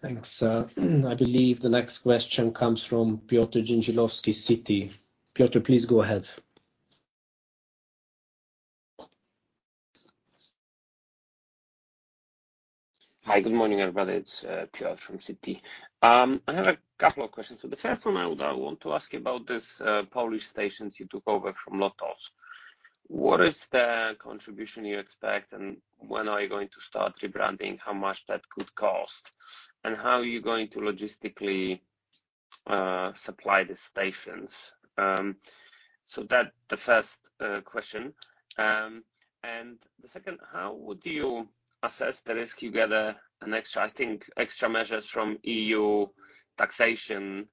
Thanks. I believe the next question comes from Piotr Dzieciolowski, Citi. Piotr, please go ahead. Hi. Good morning, everybody. It's Piotr from Citi. I have a couple of questions. The first one I want to ask you about is Polish stations you took over from Lotos. What is the contribution you expect, and when are you going to start rebranding? How much that could cost? And how are you going to logistically supply the stations? That is the first question. The second, how would you assess the risk? I gather an extra, I think extra measures from EU taxation?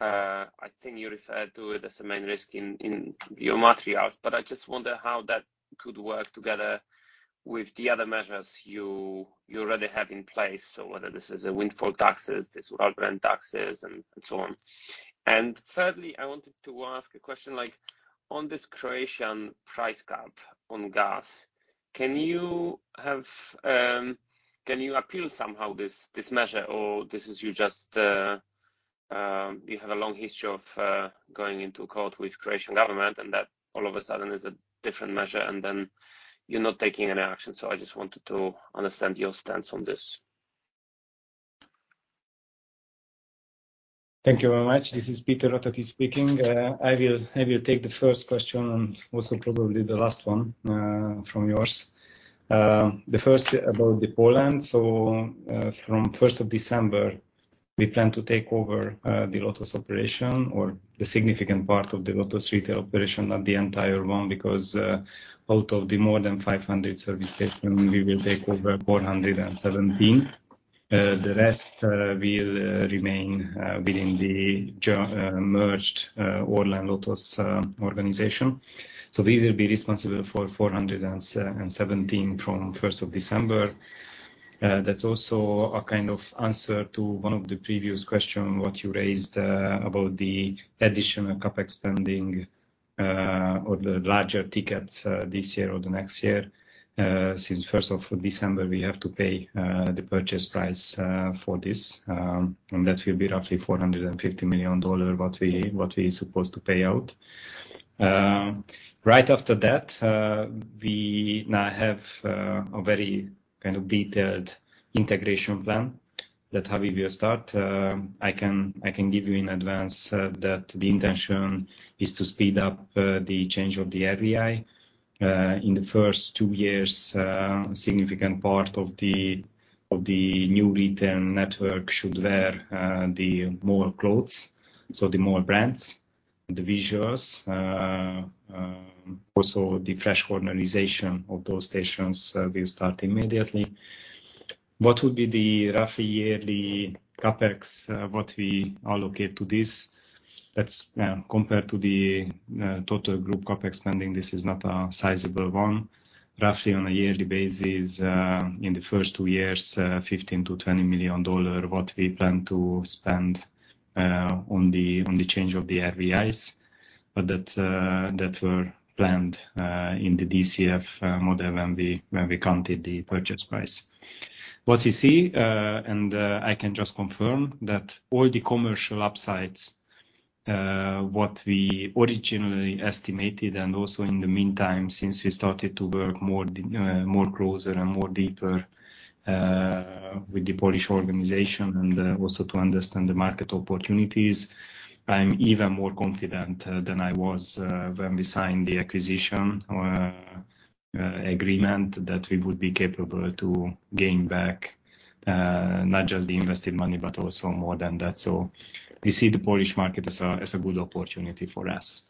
I think you referred to it as the main risk in your materials, but I just wonder how that could work together with the other measures you already have in place. Whether this is a windfall taxes, this will all bring taxes and so on. Thirdly, I wanted to ask a question like on this Croatian price cap on gas. Can you appeal somehow this measure, or is this just you have a long history of going into court with Croatian government, and that all of a sudden is a different measure, and then you're not taking any action. I just wanted to understand your stance on this. Thank you very much. This is Péter Ratatics speaking. I will take the first question and also probably the last one, from yours. The first about Poland. From first of December, we plan to take over the Lotos operation or the significant part of the Lotos retail operation, not the entire one, because out of the more than 500 service stations, we will take over 417. The rest will remain within the merged Orlen Lotos organization. We will be responsible for 417 from first of December. That's also a kind of answer to one of the previous questions what you raised about the additional CapEx spending or the larger tickets this year or the next year. Since first of December, we have to pay the purchase price for this. That will be roughly $450 million what we supposed to pay out. Right after that, we now have a very kind of detailed integration plan that how we will start. I can give you in advance that the intention is to speed up the change of the RVI. In the first two years, significant part of the new retail network should wear the MOL clothes, so the MOL brands, the visuals. Also the fresh organization of those stations will start immediately. What would be the roughly yearly CapEx what we allocate to this? That's compared to the total group CapEx spending, this is not a sizable one. Roughly on a yearly basis, in the first two years, $15 million-$20 million what we plan to spend on the change of the RVIs. But that were planned in the DCF model when we counted the purchase price. What we see, and I can just confirm that all the commercial upsides what we originally estimated, and also in the meantime, since we started to work more closer and more deeper with the Polish organization and also to understand the market opportunities, I'm even more confident than I was when we signed the acquisition agreement that we would be capable to gain back not just the invested money, but also more than that. We see the Polish market as a good opportunity for us.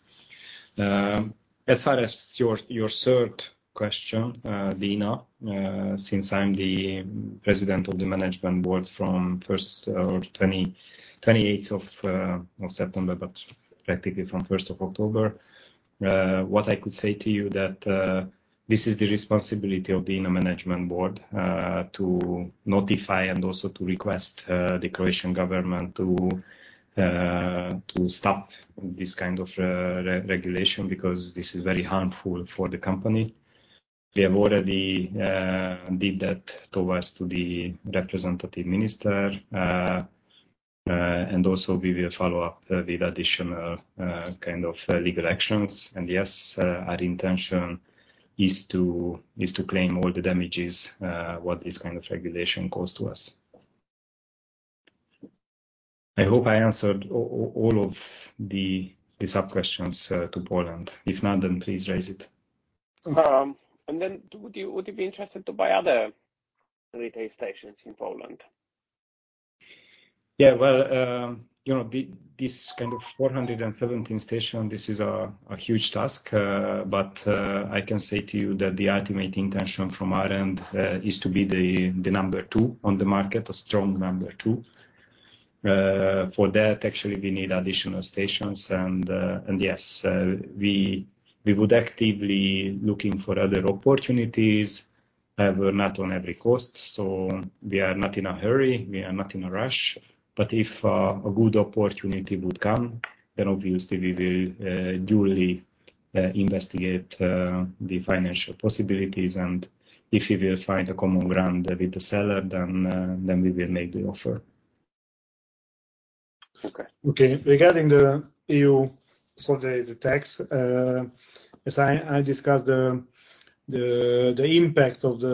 As far as your third question, Piotr Dzieciolowski, since I'm the president of the management board from 1st or 28th of September, but practically from 1st of October, what I could say to you that this is the responsibility of the inner management board to notify and also to request the Croatian government to stop this kind of re-regulation because this is very harmful for the company. We have already did that towards to the representative minister and also we will follow up with additional kind of legal actions. Yes, our intention is to claim all the damages what this kind of regulation caused to us. I hope I answered all of the sub-questions to Poland. If not, then please raise it. Would you be interested to buy other retail stations in Poland? Yeah. Well, you know, this kind of 417 station, this is a huge task. But I can say to you that the ultimate intention from our end is to be the number two on the market, a strong number two. For that, actually, we need additional stations and yes, we would actively looking for other opportunities. However, not at every cost, so we are not in a hurry, we are not in a rush. But if a good opportunity would come, then obviously we will duly Investigate the financial possibilities, and if we will find a common ground with the seller, then we will make the offer. Okay. Okay. Regarding the EU solidarity tax, as I discussed the impact of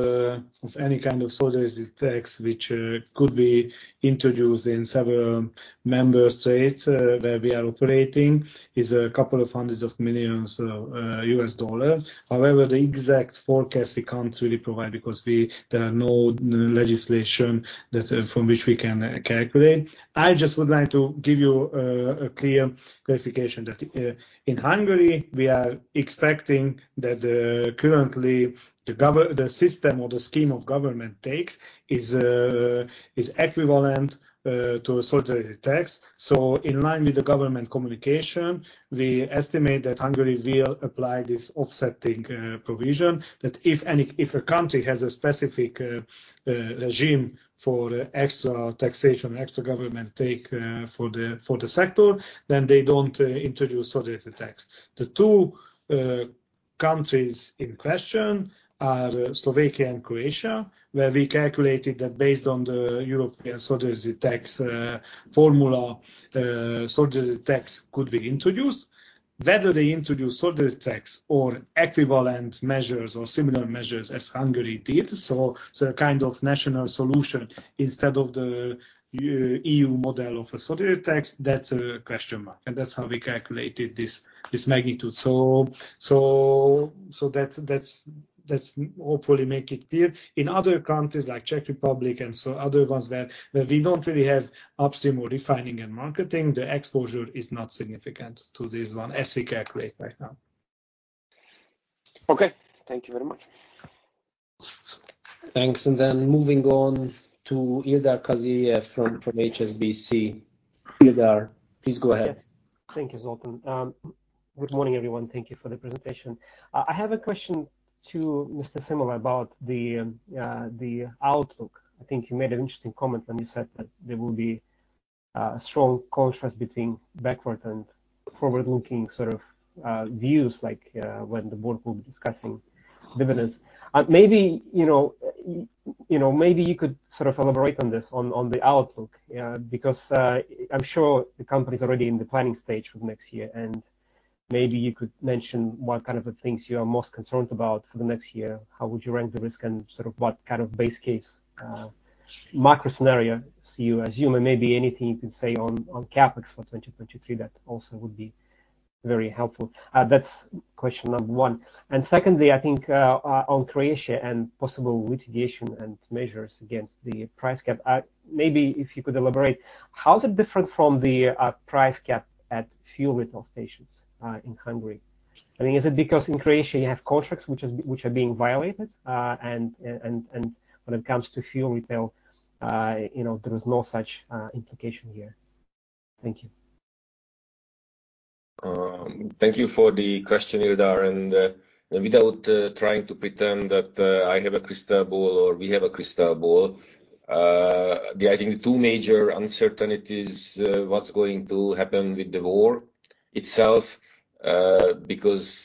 any kind of solidarity tax which could be introduced in several member states where we are operating is $200 million. However, the exact forecast we can't really provide because there are no legislation that from which we can calculate. I just would like to give you a clear clarification that in Hungary we are expecting that currently the system or the scheme the government takes is equivalent to a solidarity tax. In line with the government communication, we estimate that Hungary will apply this offsetting provision that if a country has a specific regime for extra taxation, extra government take for the sector, then they don't introduce solidarity tax. The two countries in question are Slovakia and Croatia, where we calculated that based on the European solidarity tax formula, solidarity tax could be introduced. Whether they introduce solidarity tax or equivalent measures or similar measures as Hungary did, a kind of national solution instead of the EU model of a solidarity tax, that's a question mark, and that's how we calculated this magnitude. That's hopefully make it clear. In other countries like Czech Republic and so other ones where we don't really have upstream or refining and marketing, the exposure is not significant to this one as we calculate right now. Okay. Thank you very much. Thanks. Moving on to Ildar Khaziev from HSBC. Ildar, please go ahead. Yes. Thank you, Zoltán. Good morning, everyone. Thank you for the presentation. I have a question to Mr. Simola about the outlook. I think you made an interesting comment when you said that there will be a strong contrast between backward and forward-looking sort of views, like when the board will be discussing dividends. Maybe you know, maybe you could sort of elaborate on this, on the outlook, because I'm sure the company is already in the planning stage for next year, and maybe you could mention what kind of things you are most concerned about for the next year. How would you rank the risk and sort of what kind of base case micro scenario you assume? And maybe anything you can say on CapEx for 2023, that also would be very helpful. That's question number one. Secondly, I think, on Croatia and possible litigation and measures against the price cap, maybe if you could elaborate, how is it different from the price cap at fuel retail stations in Hungary? I mean, is it because in Croatia you have contracts which are being violated, and when it comes to fuel retail, you know, there is no such implication here. Thank you. Thank you for the question, Ildar. Without trying to pretend that I have a crystal ball or we have a crystal ball, I think the two major uncertainties, what's going to happen with the war itself, because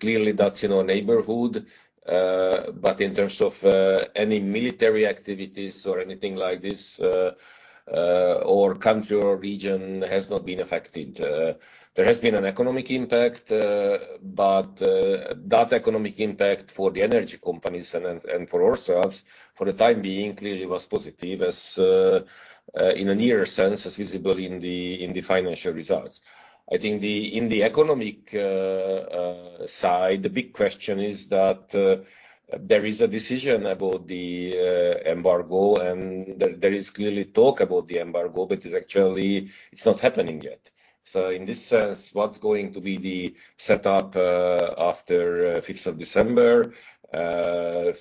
clearly that's in our neighborhood. But in terms of any military activities or anything like this, our country or region has not been affected. There has been an economic impact, but that economic impact for the energy companies and for ourselves, for the time being, clearly was positive, as in a nearer sense, as visible in the financial results. I think in the economic side, the big question is that there is a decision about the embargo, and there is clearly talk about the embargo, but actually it's not happening yet. In this sense, what's going to be the setup after fifth of December,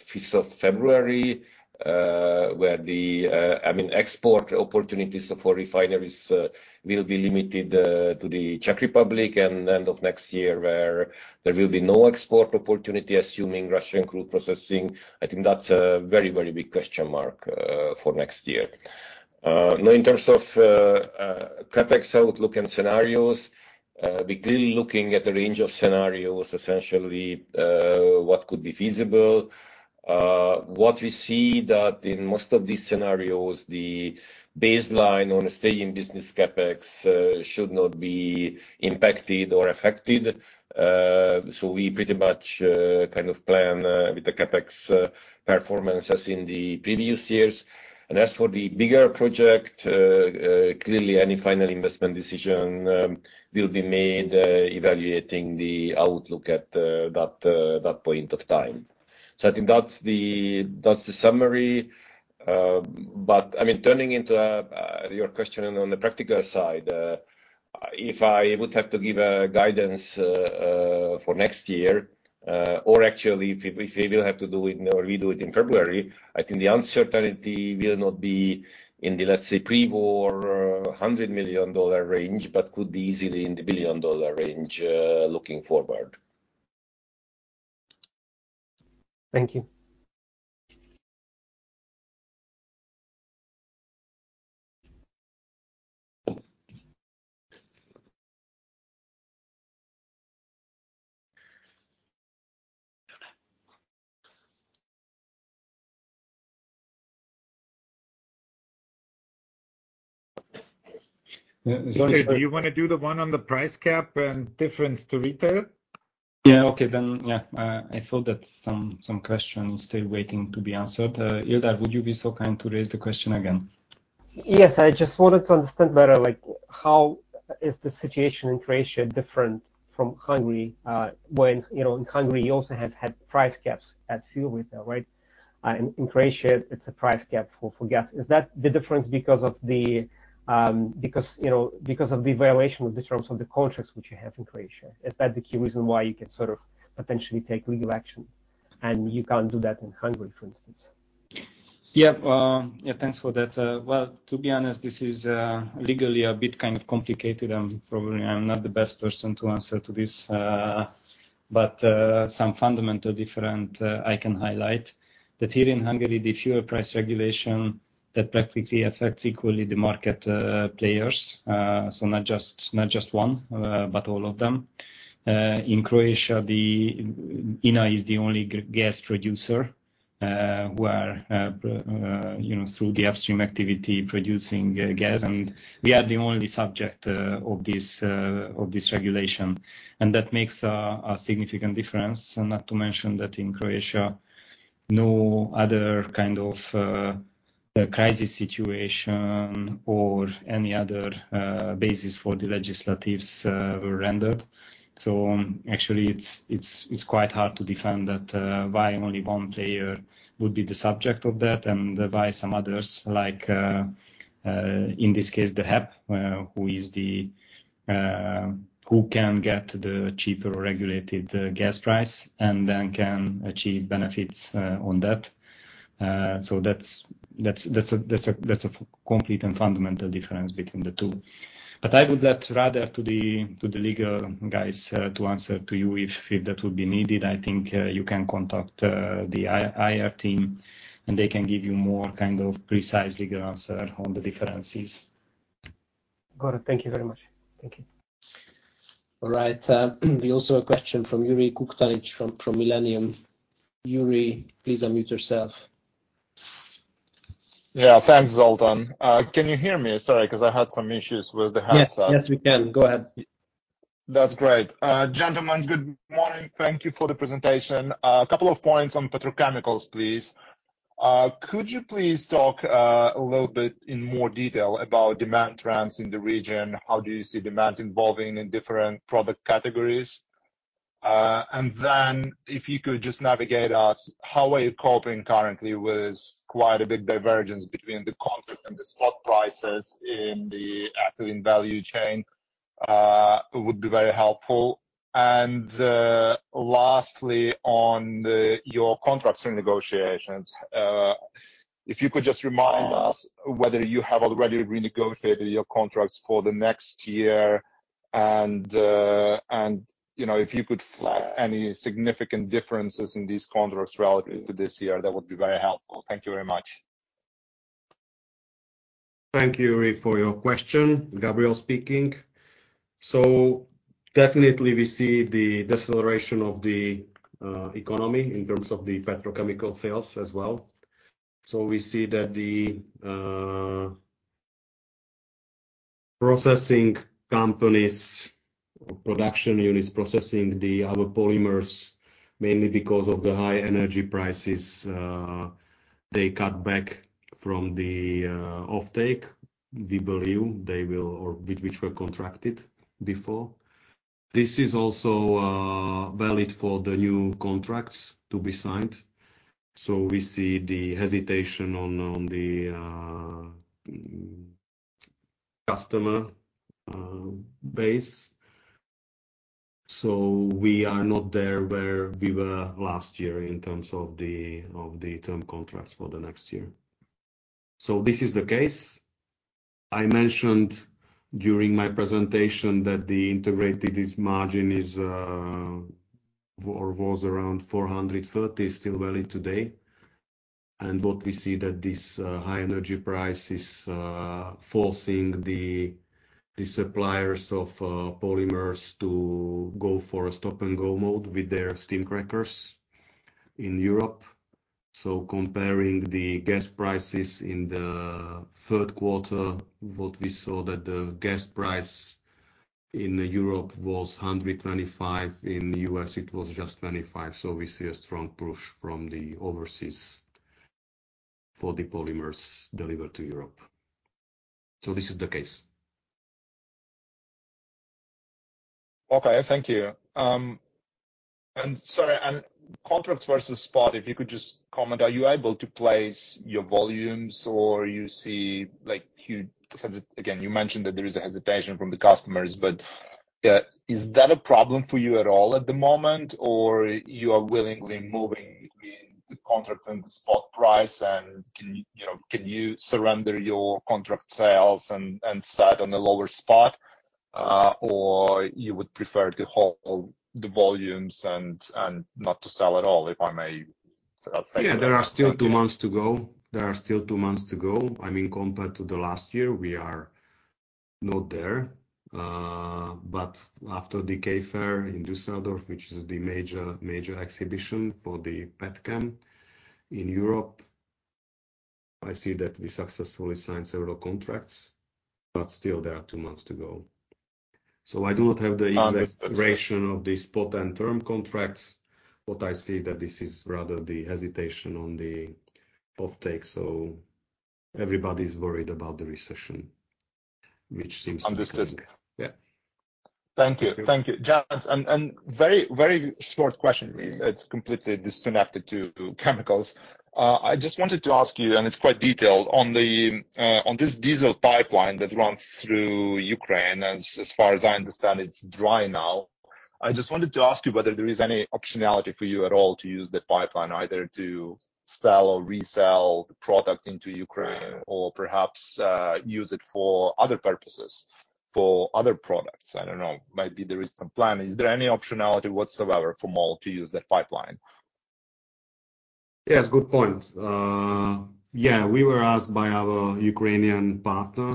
fifth of February, where, I mean, export opportunities for refineries will be limited to the Czech Republic and end of next year where there will be no export opportunity, assuming Russian crude processing. I think that's a very, very big question mark for next year. Now in terms of CapEx outlook and scenarios, we're clearly looking at a range of scenarios, essentially, what could be feasible. What we see that in most of these scenarios, the baseline on a stay in business CapEx should not be impacted or affected. We pretty much kind of plan with the CapEx performance as in the previous years. As for the bigger project, clearly any final investment decision will be made evaluating the outlook at that point of time. I think that's the summary. I mean, turning to your question on the practical side, if I would have to give a guidance for next year, or actually if we will have to do it or redo it in February, I think the uncertainty will not be in the, let's say, pre-war $100 million range, but could be easily in the $1 billion range, looking forward. Thank you. Okay. Do you wanna do the one on the price cap and difference to retail? Yeah, okay then. Yeah. I thought that some questions still waiting to be answered. Ildar, would you be so kind to raise the question again? Yes. I just wanted to understand better, like how is the situation in Croatia different from Hungary, when, you know, in Hungary you also have had price caps at fuel retail, right? In Croatia, it's a price cap for gas. Is that the difference because, you know, because of the violation of the terms of the contracts which you have in Croatia? Is that the key reason why you can sort of potentially take legal action and you can't do that in Hungary, for instance? Yeah. Yeah. Thanks for that. Well, to be honest, this is legally a bit kind of complicated. I'm not the best person to answer to this. But some fundamental differences, I can highlight that here in Hungary, the fuel price regulation that practically affects equally the market players, so not just one, but all of them. In Croatia, the INA is the only gas producer, where you know, through the upstream activity producing gas, and we are the only subject of this regulation, and that makes a significant difference. Not to mention that in Croatia, no other kind of crisis situation or any other basis for the legislation were rendered. Actually it's quite hard to defend that why only one player would be the subject of that and why some others, like, in this case the HEP, who can get the cheaper regulated gas price and then can achieve benefits on that. That's a complete and fundamental difference between the two. I would let rather to the legal guys to answer to you if that would be needed. I think you can contact the IR team, and they can give you more kind of precise legal answer on the differences. Got it. Thank you very much. Thank you. All right. We also have a question from Yuriy Kukhtanych from Millennium Management. Yuriy, please unmute yourself. Yeah. Thanks, Zoltan. Can you hear me? Sorry, 'cause I had some issues with the headset. Yes. Yes, we can. Go ahead. That's great. Gentlemen, good morning. Thank you for the presentation. A couple of points on petrochemicals, please. Could you please talk a little bit in more detail about demand trends in the region? How do you see demand evolving in different product categories? And then if you could just navigate us, how are you coping currently with quite a big divergence between the contract and the spot prices in the ethylene value chain, would be very helpful. Lastly, on your contracts renegotiations, if you could just remind us whether you have already renegotiated your contracts for the next year, and you know, if you could flag any significant differences in these contracts relative to this year, that would be very helpful. Thank you very much. Thank you, Yuriy, for your question. Gabriel Szabó speaking. Definitely we see the deceleration of the economy in terms of the petrochemical sales as well. We see that the processing companies or production units processing the other polymers, mainly because of the high energy prices, they cut back from the offtake, we believe they will or which were contracted before. This is also valid for the new contracts to be signed, so we see the hesitation on the customer base. We are not there where we were last year in terms of the term contracts for the next year. This is the case. I mentioned during my presentation that the integrated margin is or was around $430, still valid today. What we see that this high energy price is forcing the suppliers of polymers to go for a stop-and-go mode with their steam crackers in Europe. Comparing the gas prices in the third quarter, what we saw that the gas price in Europe was 125. In U.S. it was just 25. We see a strong push from the overseas for the polymers delivered to Europe. This is the case. Okay. Thank you. Sorry, contracts versus spot, if you could just comment, are you able to place your volumes or you see, like, again, you mentioned that there is a hesitation from the customers, but is that a problem for you at all at the moment, or you are willingly moving between the contract and the spot price and can, you know, can you surrender your contract sales and sit on a lower spot? Or you would prefer to hold the volumes and not to sell at all, if I may say that. Yeah. There are still two months to go. I mean, compared to the last year, we are not there. But after the K-Fair in Düsseldorf, which is the major exhibition for the petchem in Europe, I see that we successfully signed several contracts, but still there are two months to go. I do not have the exact duration. Understood Of the spot and term contracts, but I see that this is rather the hesitation on the offtake. Everybody's worried about the recession, which seems to be coming. Understood. Yeah. Thank you. Thank you. Thank you. Jan, and very short question please. It's completely disconnected to chemicals. I just wanted to ask you, and it's quite detailed, on this diesel pipeline that runs through Ukraine, as far as I understand, it's dry now. I just wanted to ask you whether there is any optionality for you at all to use that pipeline either to sell or resell the product into Ukraine or perhaps use it for other purposes, for other products. I don't know, maybe there is some plan. Is there any optionality whatsoever for MOL to use that pipeline? Yes, good point. We were asked by our Ukrainian partner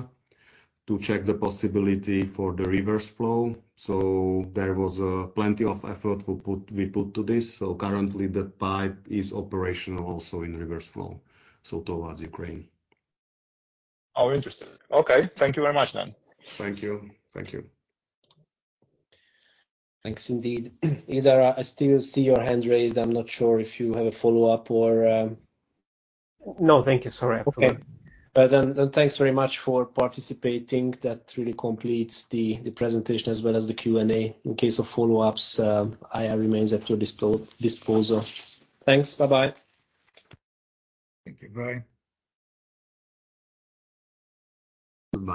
to check the possibility for the reverse flow, so there was plenty of effort we put to this. Currently the pipe is operational also in reverse flow, so towards Ukraine. Oh, interesting. Okay. Thank you very much then. Thank you. Thank you. Thanks indeed. Ildar Khaziev, I still see your hand raised. I'm not sure if you have a follow-up or. No, thank you. Sorry. I forgot. Okay. Well, thanks very much for participating. That really completes the presentation as well as the Q&A. In case of follow-ups, I remain at your disposal. Thanks. Bye-bye. Thank you. Bye. Bye.